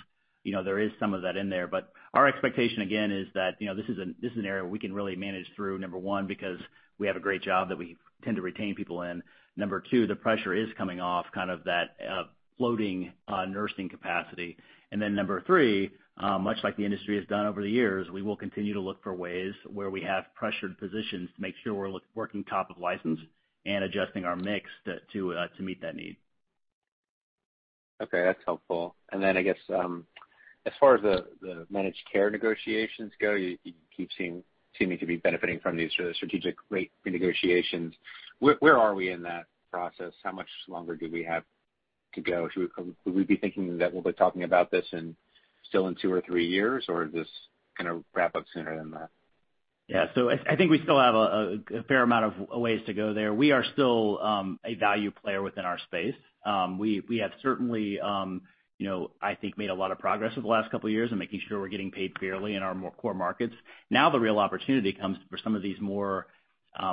You know, there is some of that in there. But our expectation again is that, you know, this is an area we can really manage through. Number one, because we have a great job that we tend to retain people in. Number two, the pressure is coming off kind of that floating nursing capacity. Number three, much like the industry has done over the years, we will continue to look for ways where we have pressured physicians to make sure we're working top of license and adjusting our mix to meet that need. Okay, that's helpful. I guess, as far as the managed care negotiations go, you keep seeming to be benefiting from these sort of strategic rate negotiations. Where are we in that process? How much longer do we have to go? Would we be thinking that we'll be talking about this still in two or three years, or is this gonna wrap up sooner than that? Yeah. I think we still have a fair amount of a ways to go there. We are still a value player within our space. We have certainly, you know, I think made a lot of progress over the last couple years in making sure we're getting paid fairly in our more core markets. Now the real opportunity comes for some of these more,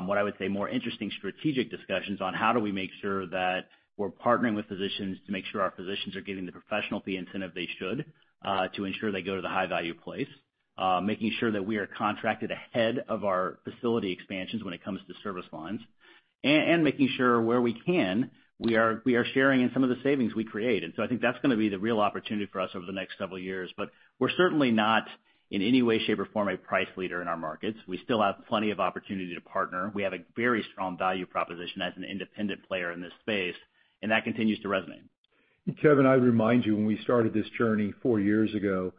what I would say, more interesting strategic discussions on how do we make sure that we're partnering with physicians to make sure our physicians are getting the professional fee incentive they should to ensure they go to the high-value place, making sure that we are contracted ahead of our facility expansions when it comes to service lines, and making sure where we can, we are sharing in some of the savings we create. I think that's gonna be the real opportunity for us over the next several years. We're certainly not, in any way, shape, or form, a price leader in our markets. We still have plenty of opportunity to partner. We have a very strong value proposition as an independent player in this space, and that continues to resonate. Kevin, I remind you when we started this journey four years ago,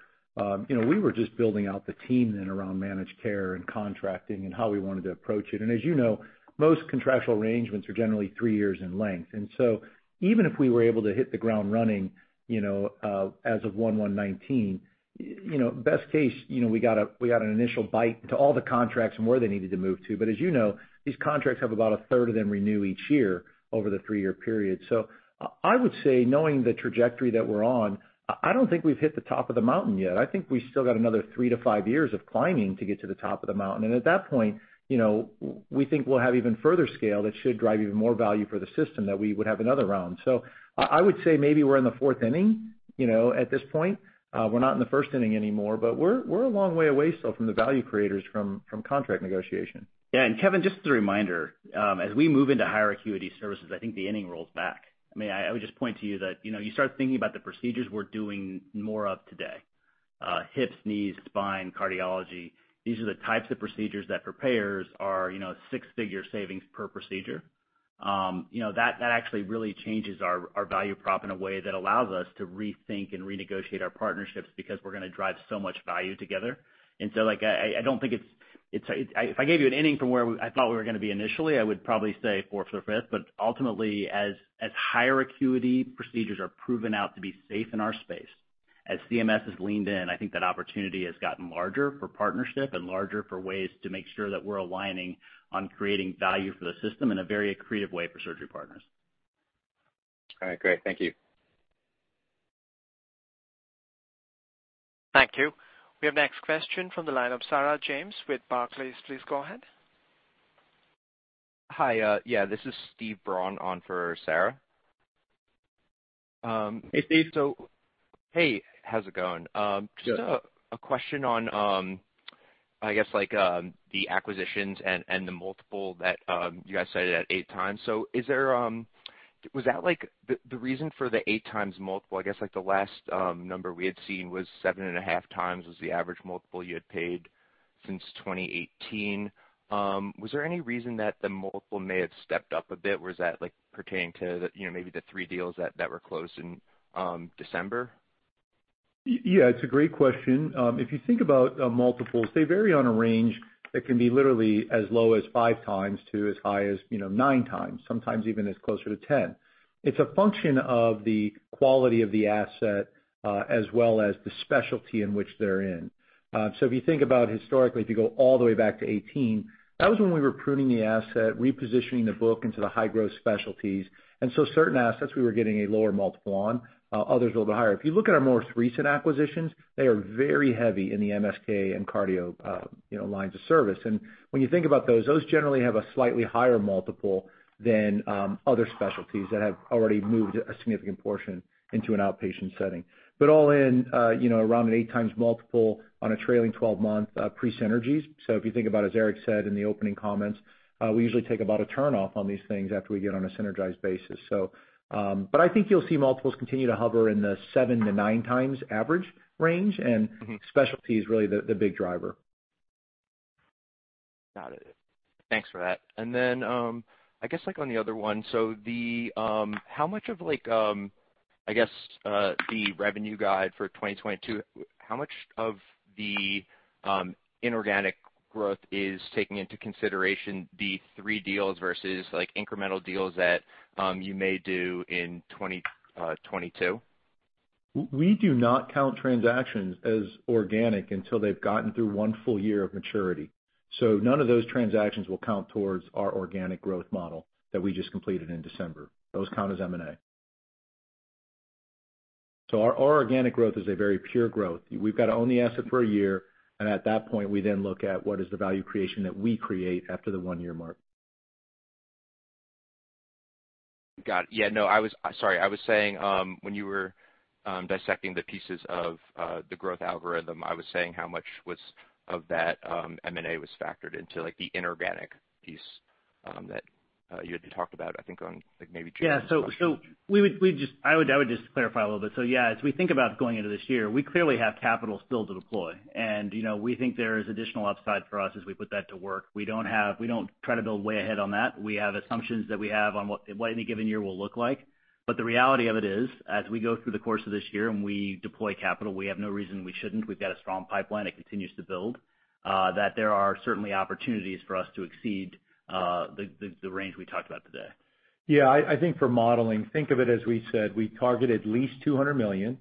you know, we were just building out the team then around managed care and contracting and how we wanted to approach it. As you know, most contractual arrangements are generally three years in length. Even if we were able to hit the ground running, you know, as of 01/01/2019, best case, you know, we got an initial bite at all the contracts and where they needed to move to. As you know, these contracts have about 1/3 of them renew each year over the three-year period. I would say knowing the trajectory that we're on, I don't think we've hit the top of the mountain yet. I think we still got another three to five years of climbing to get to the top of the mountain. At that point, you know, we think we'll have even further scale that should drive even more value for the system that we would have another round. I would say maybe we're in the fourth inning, you know, at this point. We're not in the first inning anymore, but we're a long way away still from the value creation from contract negotiation. Yeah. Kevin, just as a reminder, as we move into higher acuity services, I think the inning rolls back. I mean, I would just point out to you that, you know, you start thinking about the procedures we're doing more of today, hips, knees, spine, cardiology. These are the types of procedures that prepare us for, you know, six-figure savings per procedure. That actually really changes our value prop in a way that allows us to rethink and renegotiate our partnerships because we're gonna drive so much value together. Like, I don't think it's. If I gave you an inning from where I thought we were gonna be initially, I would probably say fourth or fifth. Ultimately, as higher acuity procedures are proven out to be safe in our space, as CMS has leaned in, I think that opportunity has gotten larger for partnership and larger for ways to make sure that we're aligning on creating value for the system in a very accretive way for Surgery Partners. All right, great. Thank you. Thank you. We have next question from the line of Sarah James with Barclays. Please go ahead. Hi, yeah, this is Steve Braun on for Sarah. Hey, Steve. Hey, how's it going? Good. Just a question on, I guess like, the acquisitions and the multiple that you guys cited at 8x. Was that like the reason for the 8x multiple? I guess like the last number we had seen was 7.5x was the average multiple you had paid since 2018. Was there any reason that the multiple may have stepped up a bit? Was that like pertaining to the, you know, maybe the three deals that were closed in December? Yeah, it's a great question. If you think about multiples, they vary on a range that can be literally as low as 5x to as high as, you know, 9x, sometimes even closer to 10x. It's a function of the quality of the asset, as well as the specialty in which they're in. If you think about historically, if you go all the way back to 2018, that was when we were pruning the asset, repositioning the book into the high-growth specialties. Certain assets we were getting a lower multiple on, others a little bit higher. If you look at our more recent acquisitions, they are very heavy in the MSK and cardio lines of service. When you think about those, they generally have a slightly higher multiple than other specialties that have already moved a significant portion into an outpatient setting. All in, around an 8x multiple on a trailing 12-month pre-synergies. If you think about, as Eric said in the opening comments, we usually take about a turn off on these things after we get on a synergized basis. I think you'll see multiples continue to hover in the 7x-9x average range. Mm-hmm. Specialty is really the big driver. Got it. Thanks for that. I guess like on the other one, how much of like, I guess, the revenue guide for 2022, how much of the inorganic growth is taking into consideration the three deals versus like incremental deals that you may do in 2022? We do not count transactions as organic until they've gotten through one full year of maturity. None of those transactions will count towards our organic growth model that we just completed in December. Those count as M&A. Our organic growth is a very pure growth. We've got to own the asset for a year, and at that point, we then look at what is the value creation that we create after the one-year mark. Got it. Yeah, no, sorry, I was saying when you were dissecting the pieces of the growth algorithm, I was saying how much of that M&A was factored into like the inorganic piece that you had talked about. I think on like maybe June. I would just clarify a little bit. Yeah, as we think about going into this year, we clearly have capital still to deploy. You know, we think there is additional upside for us as we put that to work. We don't try to build way ahead on that. We have assumptions that we have on what any given year will look like. The reality of it is, as we go through the course of this year and we deploy capital, we have no reason we shouldn't. We've got a strong pipeline that continues to build, that there are certainly opportunities for us to exceed, the range we talked about today. Yeah, I think for modeling, think of it as we said. We target at least $200 million.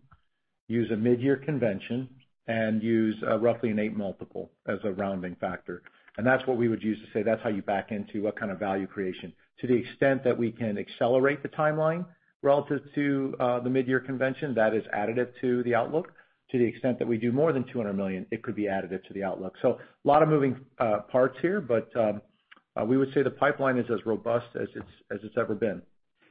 Use a mid-year convention and use roughly an 8x multiple as a rounding factor. That's what we would use to say that's how you back into what kind of value creation. To the extent that we can accelerate the timeline relative to the mid-year convention, that is additive to the outlook. To the extent that we do more than $200 million, it could be additive to the outlook. A lot of moving parts here, but we would say the pipeline is as robust as it's ever been.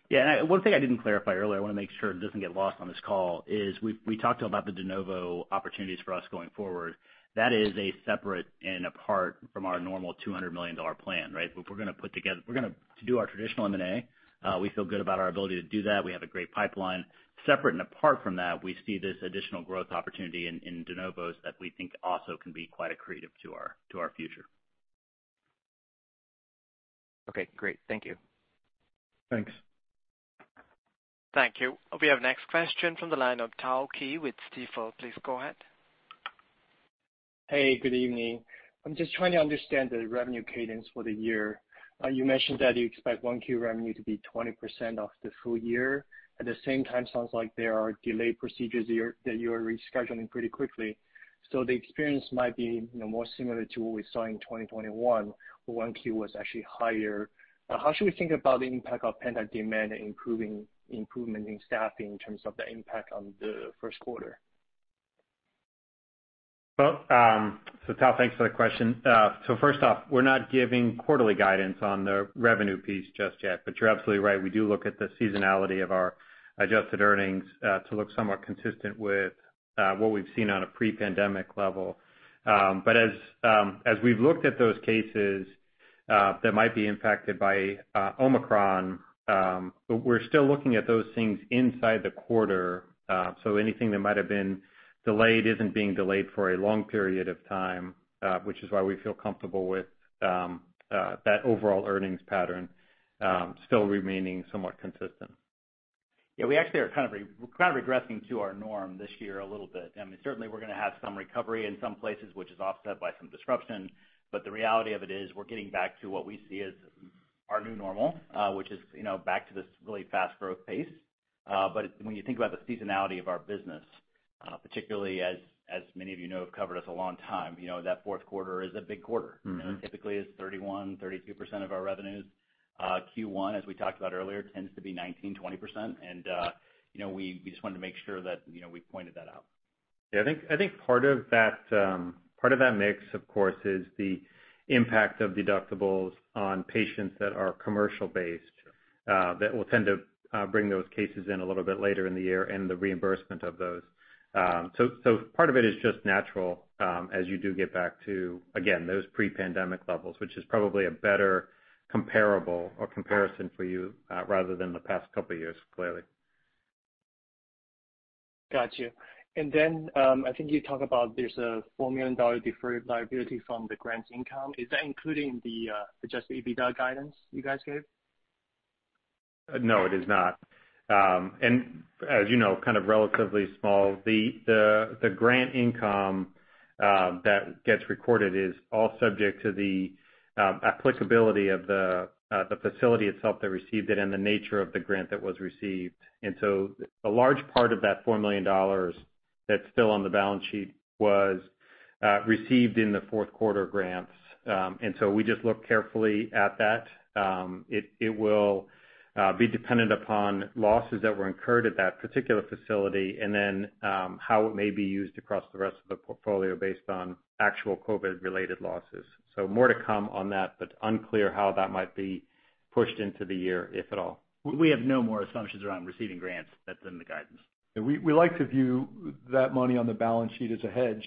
Yeah. One thing I didn't clarify earlier, I wanna make sure it doesn't get lost on this call, is we talked about the de novo opportunities for us going forward. That is separate and apart from our normal $200 million plan, right? If we're gonna do our traditional M&A. We feel good about our ability to do that. We have a great pipeline. Separate and apart from that, we see this additional growth opportunity in de novos that we think also can be quite accretive to our future. Okay, great. Thank you. Thanks. Thank you. We have next question from the line of Tao Qiu with Stifel. Please go ahead. Hey, good evening. I'm just trying to understand the revenue cadence for the year. You mentioned that you expect 1Q revenue to be 20% of the full year. At the same time, sounds like there are delayed procedures that you are rescheduling pretty quickly. The experience might be, you know, more similar to what we saw in 2021, where 1Q was actually higher. How should we think about the impact of pending demand improvement in staffing in terms of the impact on the first quarter? Well, Tao, thanks for the question. First off, we're not giving quarterly guidance on the revenue piece just yet, but you're absolutely right. We do look at the seasonality of our adjusted earnings to look somewhat consistent with what we've seen on a pre-pandemic level. As we've looked at those cases that might be impacted by Omicron, we're still looking at those things inside the quarter. Anything that might have been delayed isn't being delayed for a long period of time, which is why we feel comfortable with that overall earnings pattern still remaining somewhat consistent. Yeah, we actually are kind of regressing to our norm this year a little bit. I mean, certainly we're gonna have some recovery in some places, which is offset by some disruption. The reality of it is we're getting back to what we see as our new normal, which is, you know, back to this really fast growth pace. When you think about the seasonality of our business, particularly as many of you know have covered us a long time, you know that fourth quarter is a big quarter. Mm-hmm. It typically is 31%-32% of our revenues. Q1, as we talked about earlier, tends to be 19%-20%. You know, we just wanted to make sure that, you know, we pointed that out. Yeah, I think part of that mix, of course, is the impact of deductibles on patients that are commercial-based, that will tend to bring those cases in a little bit later in the year and the reimbursement of those. So part of it is just natural, as you do get back to, again, those pre-pandemic levels, which is probably a better comparable or comparison for you, rather than the past couple of years, clearly. Got you. I think you talk about there's a $4 million deferred liability from the grants income. Is that including the adjusted EBITDA guidance you guys gave? No, it is not. As you know, kind of relatively small, the grant income that gets recorded is all subject to the applicability of the facility itself that received it and the nature of the grant that was received. A large part of that $4 million that's still on the balance sheet was received in the fourth quarter grants. We just look carefully at that. It will be dependent upon losses that were incurred at that particular facility and then how it may be used across the rest of the portfolio based on actual COVID related losses. More to come on that, but unclear how that might be pushed into the year, if at all. We have no more assumptions around receiving grants. That's in the guidance. We like to view that money on the balance sheet as a hedge,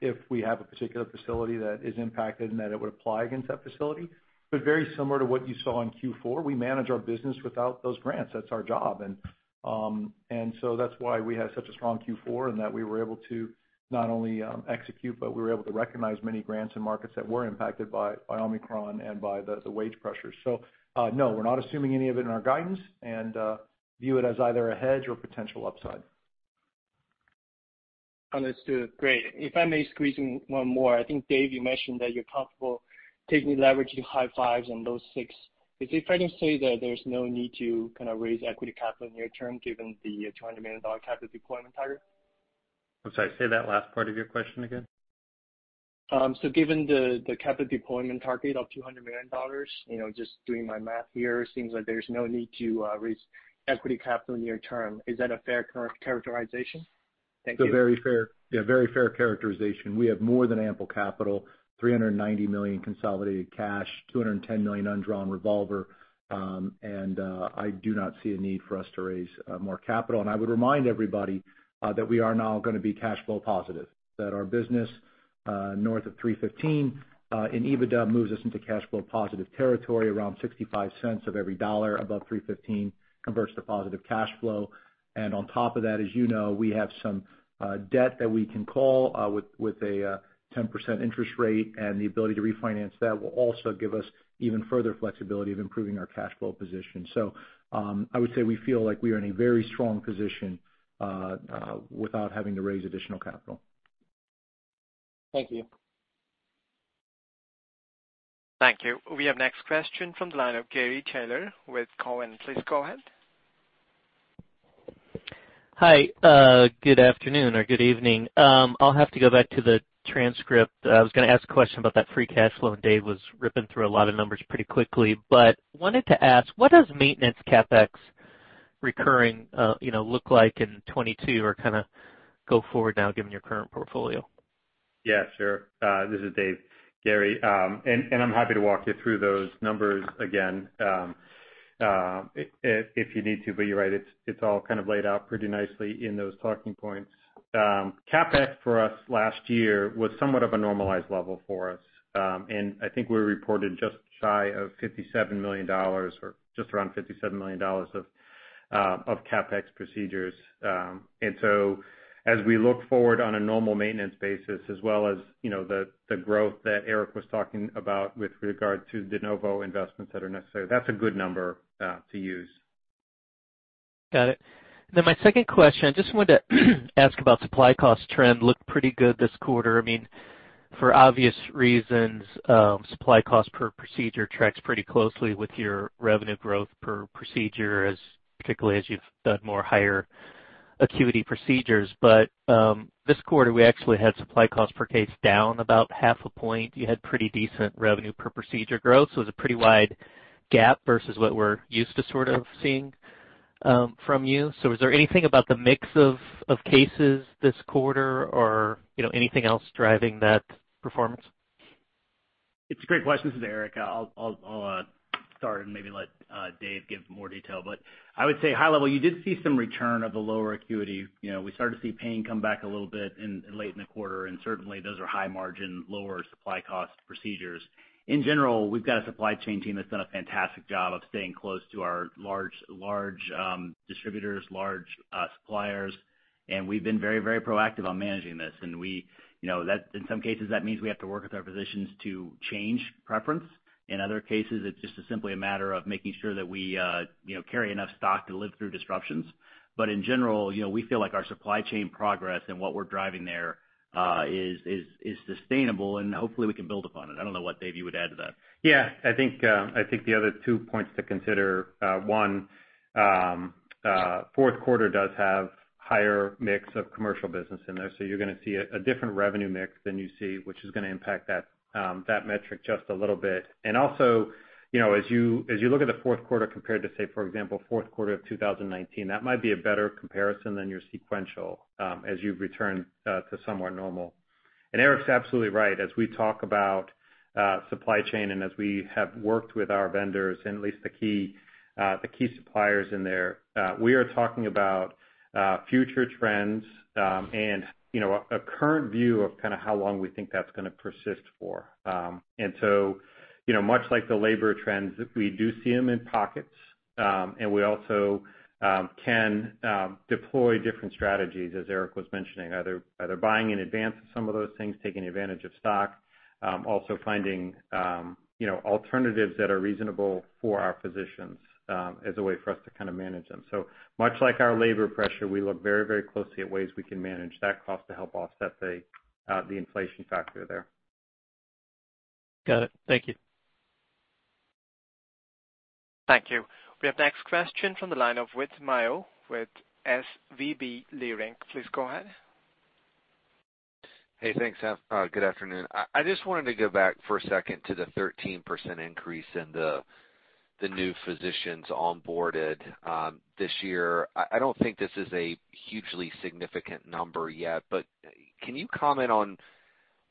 if we have a particular facility that is impacted and that it would apply against that facility. Very similar to what you saw in Q4, we manage our business without those grants. That's our job. That's why we had such a strong Q4 and that we were able to not only execute, but we were able to recognize many grants in markets that were impacted by Omicron and by the wage pressures. No, we're not assuming any of it in our guidance and view it as either a hedge or potential upside. Understood. Great. If I may squeeze in one more. I think, Dave, you mentioned that you're comfortable taking leverage to high-5s and low-6s. Is it fair to say that there's no need to kind of raise equity capital near term given the $20 million capital deployment target? I'm sorry, say that last part of your question again? Given the capital deployment target of $200 million, you know, just doing my math here, it seems like there's no need to raise equity capital near term. Is that a fair characterization? Thank you. It's a very fair. Yeah, very fair characterization. We have more than ample capital, $390 million consolidated cash, $210 million undrawn revolver. I do not see a need for us to raise more capital. I would remind everybody that we are now gonna be cash flow positive, that our business north of $315 million in EBITDA moves us into cash flow positive territory. Around $0.65 of every dollar above $315 converts to positive cash flow. On top of that, as you know, we have some debt that we can call with a 10% interest rate, and the ability to refinance that will also give us even further flexibility of improving our cash flow position. I would say we feel like we are in a very strong position without having to raise additional capital. Thank you. Thank you. We have next question from the line of Gary Taylor with Cowen. Please go ahead. Hi. Good afternoon or good evening. I'll have to go back to the transcript. I was gonna ask a question about that free cash flow, and Dave was ripping through a lot of numbers pretty quickly. Wanted to ask, what does maintenance CapEx recurring, you know, look like in 2022 or kinda go forward now given your current portfolio? Yeah, sure. This is Dave, Gary. I'm happy to walk you through those numbers again, if you need to, but you're right, it's all kind of laid out pretty nicely in those talking points. CapEx for us last year was somewhat of a normalized level for us. I think we reported just shy of $57 million or just around $57 million of CapEx procedures. As we look forward on a normal maintenance basis as well as, you know, the growth that Eric was talking about with regard to de novo investments that are necessary, that's a good number to use. Got it. My second question, just wanted to ask about supply cost trend. Looked pretty good this quarter. I mean, for obvious reasons, supply cost per procedure tracks pretty closely with your revenue growth per procedure, especially as you've done more higher acuity procedures. This quarter we actually had supply costs per case down about 0.5 point. You had pretty decent revenue per procedure growth so it's a pretty wide gap versus what we're used to sort of seeing, from you. Is there anything about the mix of cases this quarter or, you know, anything else driving that performance? It's a great question. This is Eric. I'll start and maybe let Dave give more detail, but I would say high level, you did see some return of the lower acuity. You know, we started to see pain come back a little bit in late in the quarter, and certainly those are high margin, lower supply cost procedures. In general, we've got a supply chain team that's done a fantastic job of staying close to our large distributors, large suppliers, and we've been very proactive on managing this. We, you know, in some cases, that means we have to work with our physicians to change preference. In other cases, it's just simply a matter of making sure that we, you know, carry enough stock to live through disruptions. In general, you know, we feel like our supply chain progress and what we're driving there is sustainable and hopefully we can build upon it. I don't know what Dave you would add to that. Yeah. I think the other two points to consider. One. Fourth quarter does have higher mix of commercial business in there, so you're gonna see a different revenue mix than you see, which is gonna impact that metric just a little bit. Also, you know, as you look at the fourth quarter compared to, say, for example, fourth quarter of 2019, that might be a better comparison than your sequential, as you return to somewhere normal. Eric's absolutely right. As we talk about supply chain and as we have worked with our vendors and at least the key suppliers in there, we are talking about future trends, and, you know, a current view of kinda how long we think that's gonna persist for. You know, much like the labor trends, we do see them in pockets, and we also can deploy different strategies, as Eric was mentioning. Either buying in advance of some of those things, taking advantage of stock, also finding, you know, alternatives that are reasonable for our physicians, as a way for us to kinda manage them. Much like our labor pressure, we look very, very closely at ways we can manage that cost to help offset the inflation factor there. Got it. Thank you. Thank you. We have next question from the line of Whit Mayo with SVB Leerink. Please go ahead. Hey, thanks. Good afternoon. I just wanted to go back for a second to the 13% increase in the new physicians onboarded this year. I don't think this is a hugely significant number yet, but can you comment on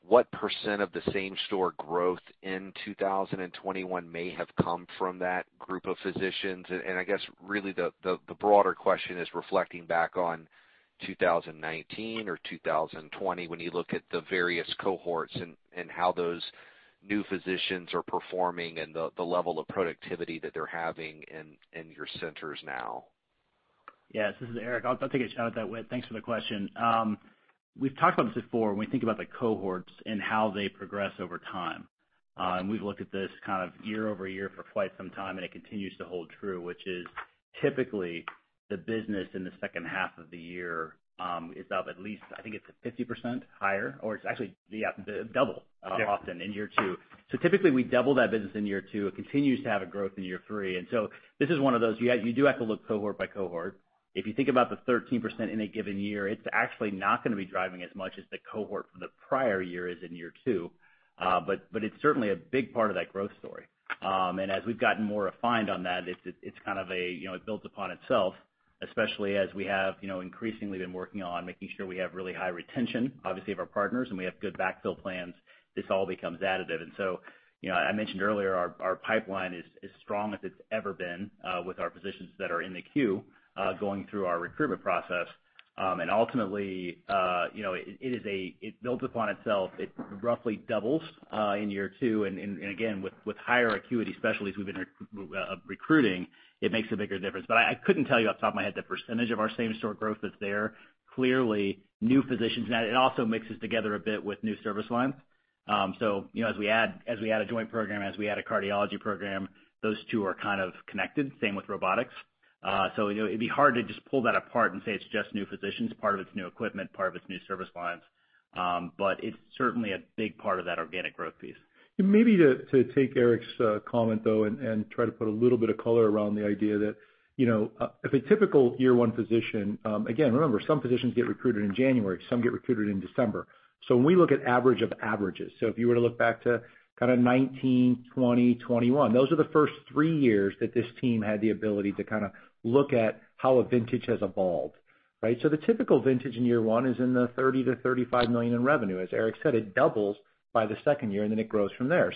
what percent of the same store growth in 2021 may have come from that group of physicians? I guess really the broader question is reflecting back on 2019 or 2020, when you look at the various cohorts and how those new physicians are performing and the level of productivity that they're having in your centers now. Yes, this is Eric. I'll take a shot at that, Whit. Thanks for the question. We've talked about this before when we think about the cohorts and how they progress over time. We've looked at this kind of year-over-year for quite some time. It continues to hold true, which is typically the business in the second half of the year is up at least, I think it's 50% higher, or it's actually, yeah, double, often in year two. Typically, we double that business in year two. It continues to have a growth in year three. This is one of those, you do have to look cohort by cohort. If you think about the 13% in a given year, it's actually not gonna be driving as much as the cohort from the prior year is in year two. It's certainly a big part of that growth story. As we've gotten more refined on that, it's kind of a, you know, it builds upon itself, especially as we have, you know, increasingly been working on making sure we have really high retention, obviously of our partners, and we have good backfill plans. This all becomes additive. You know, I mentioned earlier our pipeline is strong as it's ever been, with our physicians that are in the queue going through our recruitment process. Ultimately, you know, it builds upon itself. It roughly doubles in year two. Again, with higher acuity specialists we've been recruiting, it makes a bigger difference. I couldn't tell you off the top of my head the percentage of our same store growth that's there. Clearly, new physicians and that it also mixes together a bit with new service lines. You know, as we add a joint program, as we add a cardiology program, those two are kind of connected. Same with robotics. You know, it'd be hard to just pull that apart and say it's just new physicians. Part of it's new equipment, part of it's new service lines. It's certainly a big part of that organic growth piece. Maybe to take Eric's comment, though, and try to put a little bit of color around the idea that, you know, a typical year one physician, again, remember, some physicians get recruited in January. Some get recruited in December. When we look at average of averages, if you were to look back to kinda 2019, 2020, 2021, those are the first three years that this team had the ability to kinda look at how a vintage has evolved, right? The typical vintage in year one is in the $30 million-$35 million in revenue. As Eric said, it doubles by the second year, and then it grows from there.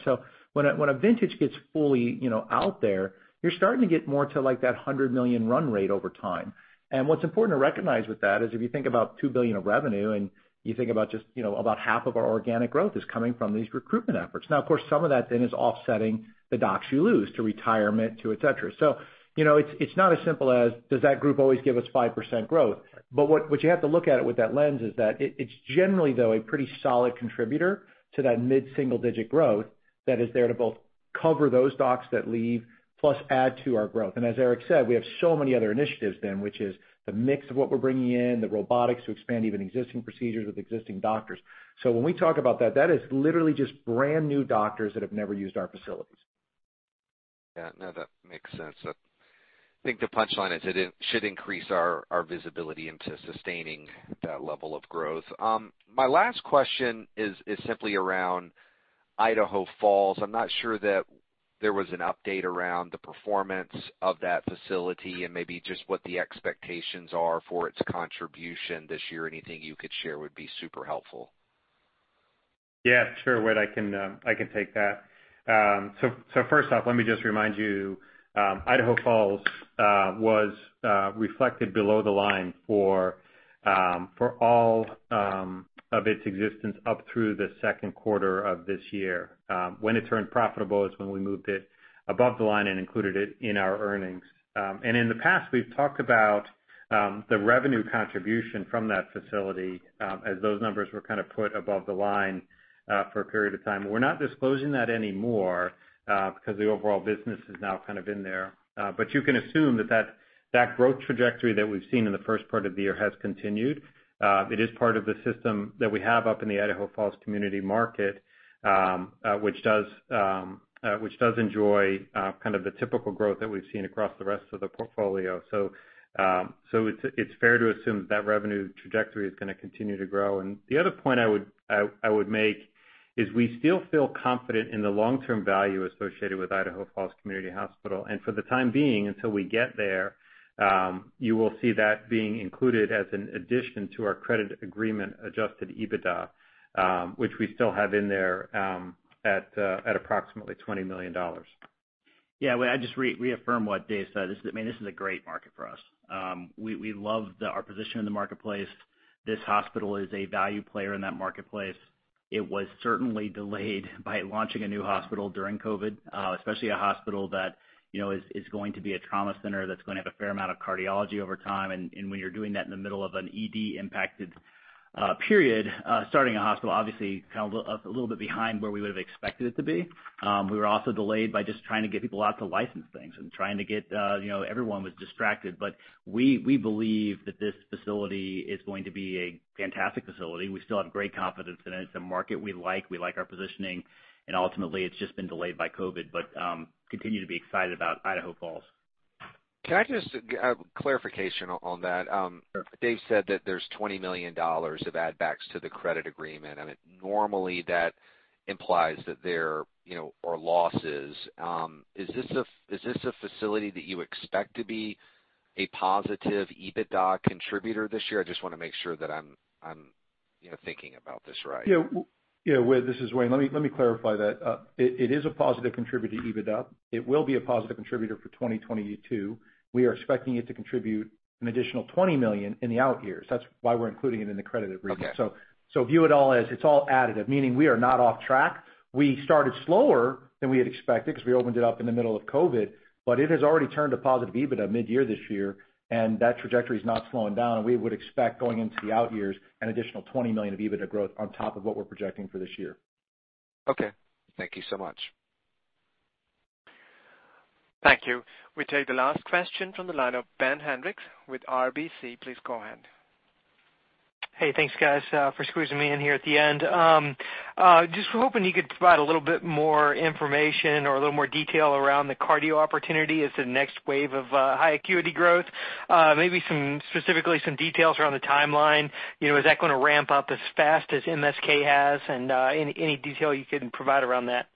When a vintage gets fully, you know, out there, you're starting to get more to, like, that $100 million run rate over time. What's important to recognize with that is if you think about $2 billion of revenue and you think about just, you know, about half of our organic growth is coming from these recruitment efforts. Now, of course, some of that then is offsetting the docs you lose to retirement, to et cetera. So, you know, it's not as simple as does that group always give us 5% growth. But what you have to look at it with that lens is that it's generally, though, a pretty solid contributor to that mid-single-digit growth that is there to both cover those docs that leave plus add to our growth. As Eric said, we have so many other initiatives then, which is the mix of what we're bringing in, the robotics to expand even existing procedures with existing doctors. When we talk about that is literally just brand-new doctors that have never used our facilities. Yeah, no, that makes sense. I think the punchline is it should increase our visibility into sustaining that level of growth. My last question is simply around Idaho Falls. I'm not sure that there was an update around the performance of that facility and maybe just what the expectations are for its contribution this year. Anything you could share would be super helpful. Yeah, sure, Whit. I can take that. First off, let me just remind you. Idaho Falls was reflected below the line for all of its existence up through the second quarter of this year. When it turned profitable is when we moved it above the line and included it in our earnings. In the past, we've talked about the revenue contribution from that facility, as those numbers were kinda put above the line for a period of time. We're not disclosing that anymore, because the overall business is now kind of in there. You can assume that growth trajectory that we've seen in the first part of the year has continued. It is part of the system that we have up in the Idaho Falls community market, which does enjoy kind of the typical growth that we've seen across the rest of the portfolio. It's fair to assume that revenue trajectory is gonna continue to grow. The other point I would make is we still feel confident in the long-term value associated with Idaho Falls Community Hospital. For the time being, until we get there, you will see that being included as an addition to our credit agreement adjusted EBITDA, which we still have in there, at approximately $20 million. Yeah. Well, I just reaffirm what Dave said. This is, I mean, this is a great market for us. We love our position in the marketplace. This hospital is a value player in that marketplace. It was certainly delayed by launching a new hospital during COVID, especially a hospital that, you know, is going to be a trauma center that's gonna have a fair amount of cardiology over time. When you're doing that in the middle of an ED-impacted period, starting a hospital obviously kind of a little bit behind where we would've expected it to be. We were also delayed by just trying to get people out to license things and trying to get, you know, everyone was distracted. We believe that this facility is going to be a fantastic facility. We still have great confidence in it. It's a market we like, we like our positioning, and ultimately, it's just been delayed by COVID. Continue to be excited about Idaho Falls. Can I just get clarification on that? Sure. Dave said that there's $20 million of add backs to the credit agreement, and it normally that implies that there you know are losses. Is this a facility that you expect to be a positive EBITDA contributor this year? I just wanna make sure that I'm you know thinking about this right. Yeah, Whit, this is Wayne. Let me clarify that. It is a positive contributor to EBITDA. It will be a positive contributor for 2022. We are expecting it to contribute an additional $20 million in the out years. That's why we're including it in the credit agreement. Okay. View it all as it's all additive, meaning we are not off track. We started slower than we had expected 'cause we opened it up in the middle of COVID, but it has already turned a positive EBITDA midyear this year, and that trajectory is not slowing down. We would expect going into the out years an additional $20 million of EBITDA growth on top of what we're projecting for this year. Okay. Thank you so much. Thank you. We take the last question from the line of Ben Hendrix with RBC. Please go ahead. Hey, thanks, guys, for squeezing me in here at the end. Just hoping you could provide a little bit more information or a little more detail around the cardio opportunity as the next wave of high acuity growth. Maybe some, specifically some details around the timeline. You know, is that gonna ramp up as fast as MSK has? Any detail you can provide around that.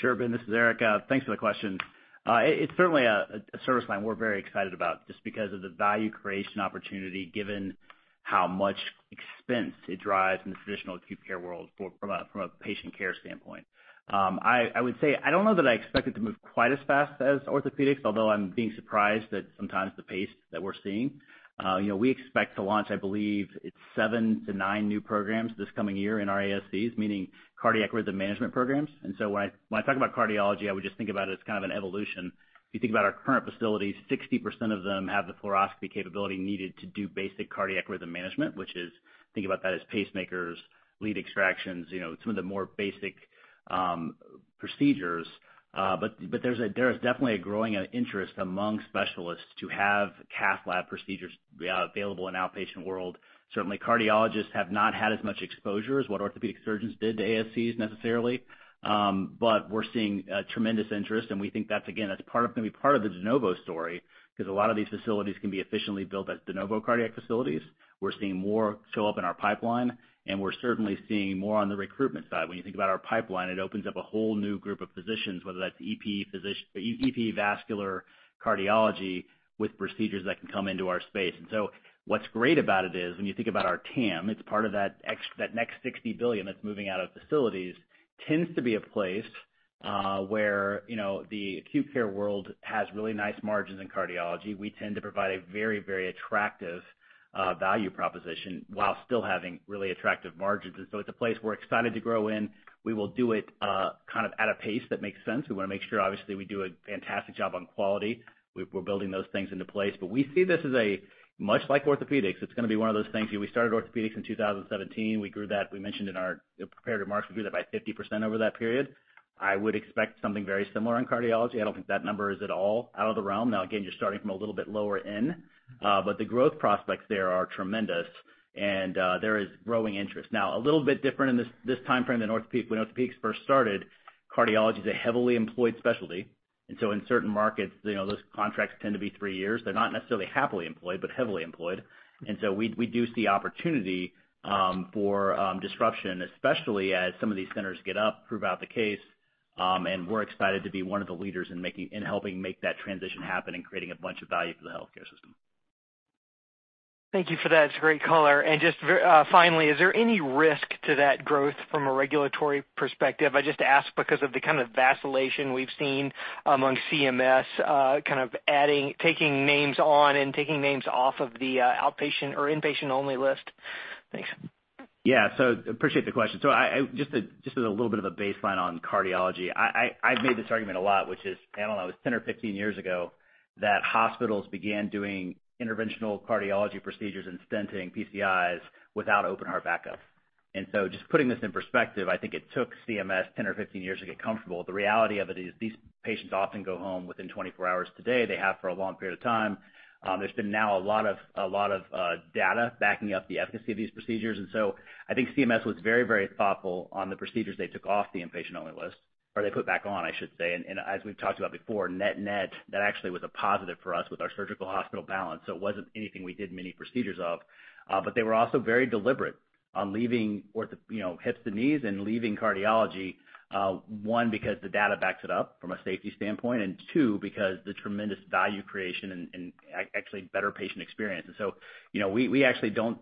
Sure, Ben. This is Eric. Thanks for the question. It's certainly a service line we're very excited about just because of the value creation opportunity given how much expense it drives in the traditional acute care world from a patient care standpoint. I would say I don't know that I expect it to move quite as fast as orthopedics. Although I'm being surprised sometimes at the pace that we're seeing. You know, we expect to launch, I believe it's seven to nine new programs this coming year in our ASCs, meaning cardiac rhythm management programs. When I talk about cardiology, I would just think about it as kind of an evolution. If you think about our current facilities, 60% of them have the fluoroscopy capability needed to do basic cardiac rhythm management, which is, think about that as pacemakers, lead extractions. You know, some of the more basic procedures. There is definitely a growing interest among specialists to have cath lab procedures, yeah, available in outpatient world. Certainly, cardiologists have not had as much exposure as what orthopedic surgeons did to ASCs necessarily. We're seeing a tremendous interest, and we think that's, again, gonna be part of the de novo story because a lot of these facilities can be efficiently built as de novo cardiac facilities. We're seeing more show up in our pipeline, and we're certainly seeing more on the recruitment side. When you think about our pipeline, it opens up a whole new group of physicians, whether that's EP vascular cardiology with procedures that can come into our space. What's great about it is when you think about our TAM, it's part of that next $60 billion that's moving out of facilities, tends to be a place, you know, where the acute care world has really nice margins in cardiology. We tend to provide a very, very attractive value proposition while still having really attractive margins. It's a place we're excited to grow in. We will do it kind of at a pace that makes sense. We wanna make sure, obviously, we do a fantastic job on quality. We're building those things into place. We see this as much like orthopedics. It's gonna be one of those things. We started orthopedics in 2017. We grew that, we mentioned in our prepared remarks,. We grew that by 50% over that period. I would expect something very similar in cardiology. I don't think that number is at all out of the realm. Now, again, you're starting from a little bit lower end. But the growth prospects there are tremendous, and there is growing interest. Now, a little bit different in this timeframe than orthopedics. When orthopedics first started, cardiology is a heavily employed specialty. In certain markets, you know, those contracts tend to be three years. They're not necessarily happily employed, but heavily employed. We do see opportunity for disruption, especially as some of these centers get up, prove out the case. We're excited to be one of the leaders in helping make that transition happen and creating a bunch of value for the healthcare system. Thank you for that. It's a great color. Just finally, is there any risk to that growth from a regulatory perspective? I just ask because of the kind of vacillation we've seen among CMS, kind of adding, taking names on and taking names off of the outpatient or inpatient only list. Thanks. Yeah. Appreciate the question. I just as a little bit of a baseline on cardiology. I've made this argument a lot, which is, I don't know, it was 10 or 15 years ago that hospitals began doing interventional cardiology procedures and stenting PCIs without open heart backup. Just putting this in perspective, I think it took CMS 10 or 15 years to get comfortable. The reality of it is these patients often go home within 24 hours today. They have for a long period of time. There's been a lot of data backing up the efficacy of these procedures. I think CMS was very thoughtful on the procedures they took off the inpatient only list. Or they put back on, I should say. As we've talked about before, net-net, that actually was a positive for us with our surgical hospital balance. It wasn't anything we did many procedures of. But they were also very deliberate on leaving ortho, you know, hips and knees and leaving cardiology, one, because the data backs it up from a safety standpoint, and two, because the tremendous value creation and actually better patient experience. You know, we actually don't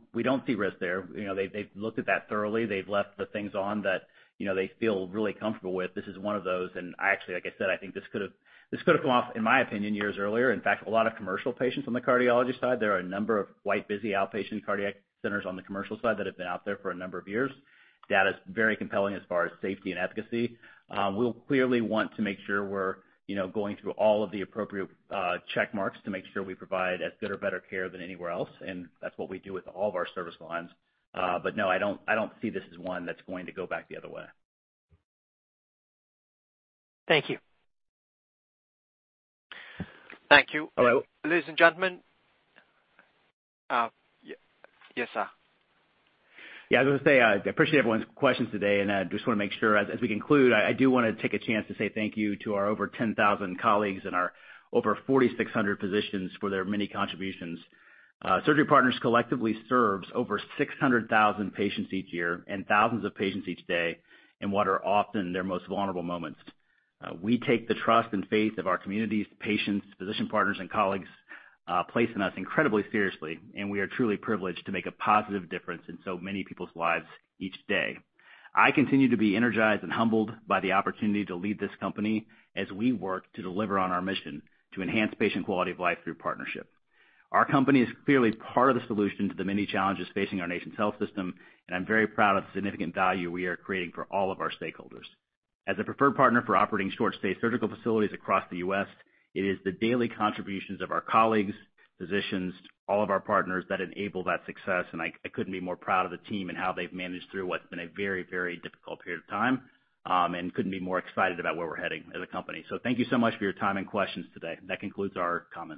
see risk there. You know, they've looked at that thoroughly. They've left the things on that, you know, they feel really comfortable with. This is one of those. I actually, like I said, I think this could have come off, in my opinion, years earlier. In fact, a lot of commercial patients on the cardiology side, there are a number of quite busy outpatient cardiac centers on the commercial side that have been out there for a number of years. Data is very compelling as far as safety and efficacy. We'll clearly want to make sure we're, you know, going through all of the appropriate check marks to make sure we provide as good or better care than anywhere else, and that's what we do with all of our service lines. But no, I don't see this as one that's going to go back the other way. Thank you. Thank you. Hello. Ladies and gentlemen. Yes, sir. Yeah. I was gonna say, I appreciate everyone's questions today, and I just wanna make sure as we conclude, I do wanna take a chance to say thank you to our over 10,000 colleagues and our over 4,600 physicians for their many contributions. Surgery Partners collectively serves over 600,000 patients each year and thousands of patients each day in what are often their most vulnerable moments. We take the trust and faith of our communities, patients, physician partners, and colleagues placing in us incredibly seriously. We are truly privileged to make a positive difference in so many people's lives each day. I continue to be energized and humbled by the opportunity to lead this company as we work to deliver on our mission to enhance patient quality of life through partnership. Our company is clearly part of the solution to the many challenges facing our nation's health system, and I'm very proud of the significant value we are creating for all of our stakeholders. As a preferred partner for operating short stay surgical facilities across the U.S., it is the daily contributions of our colleagues, physicians, all of our partners that enable that success, and I couldn't be more proud of the team and how they've managed through what's been a very, very difficult period of time, and couldn't be more excited about where we're heading as a company. Thank you so much for your time and questions today. That concludes our comments.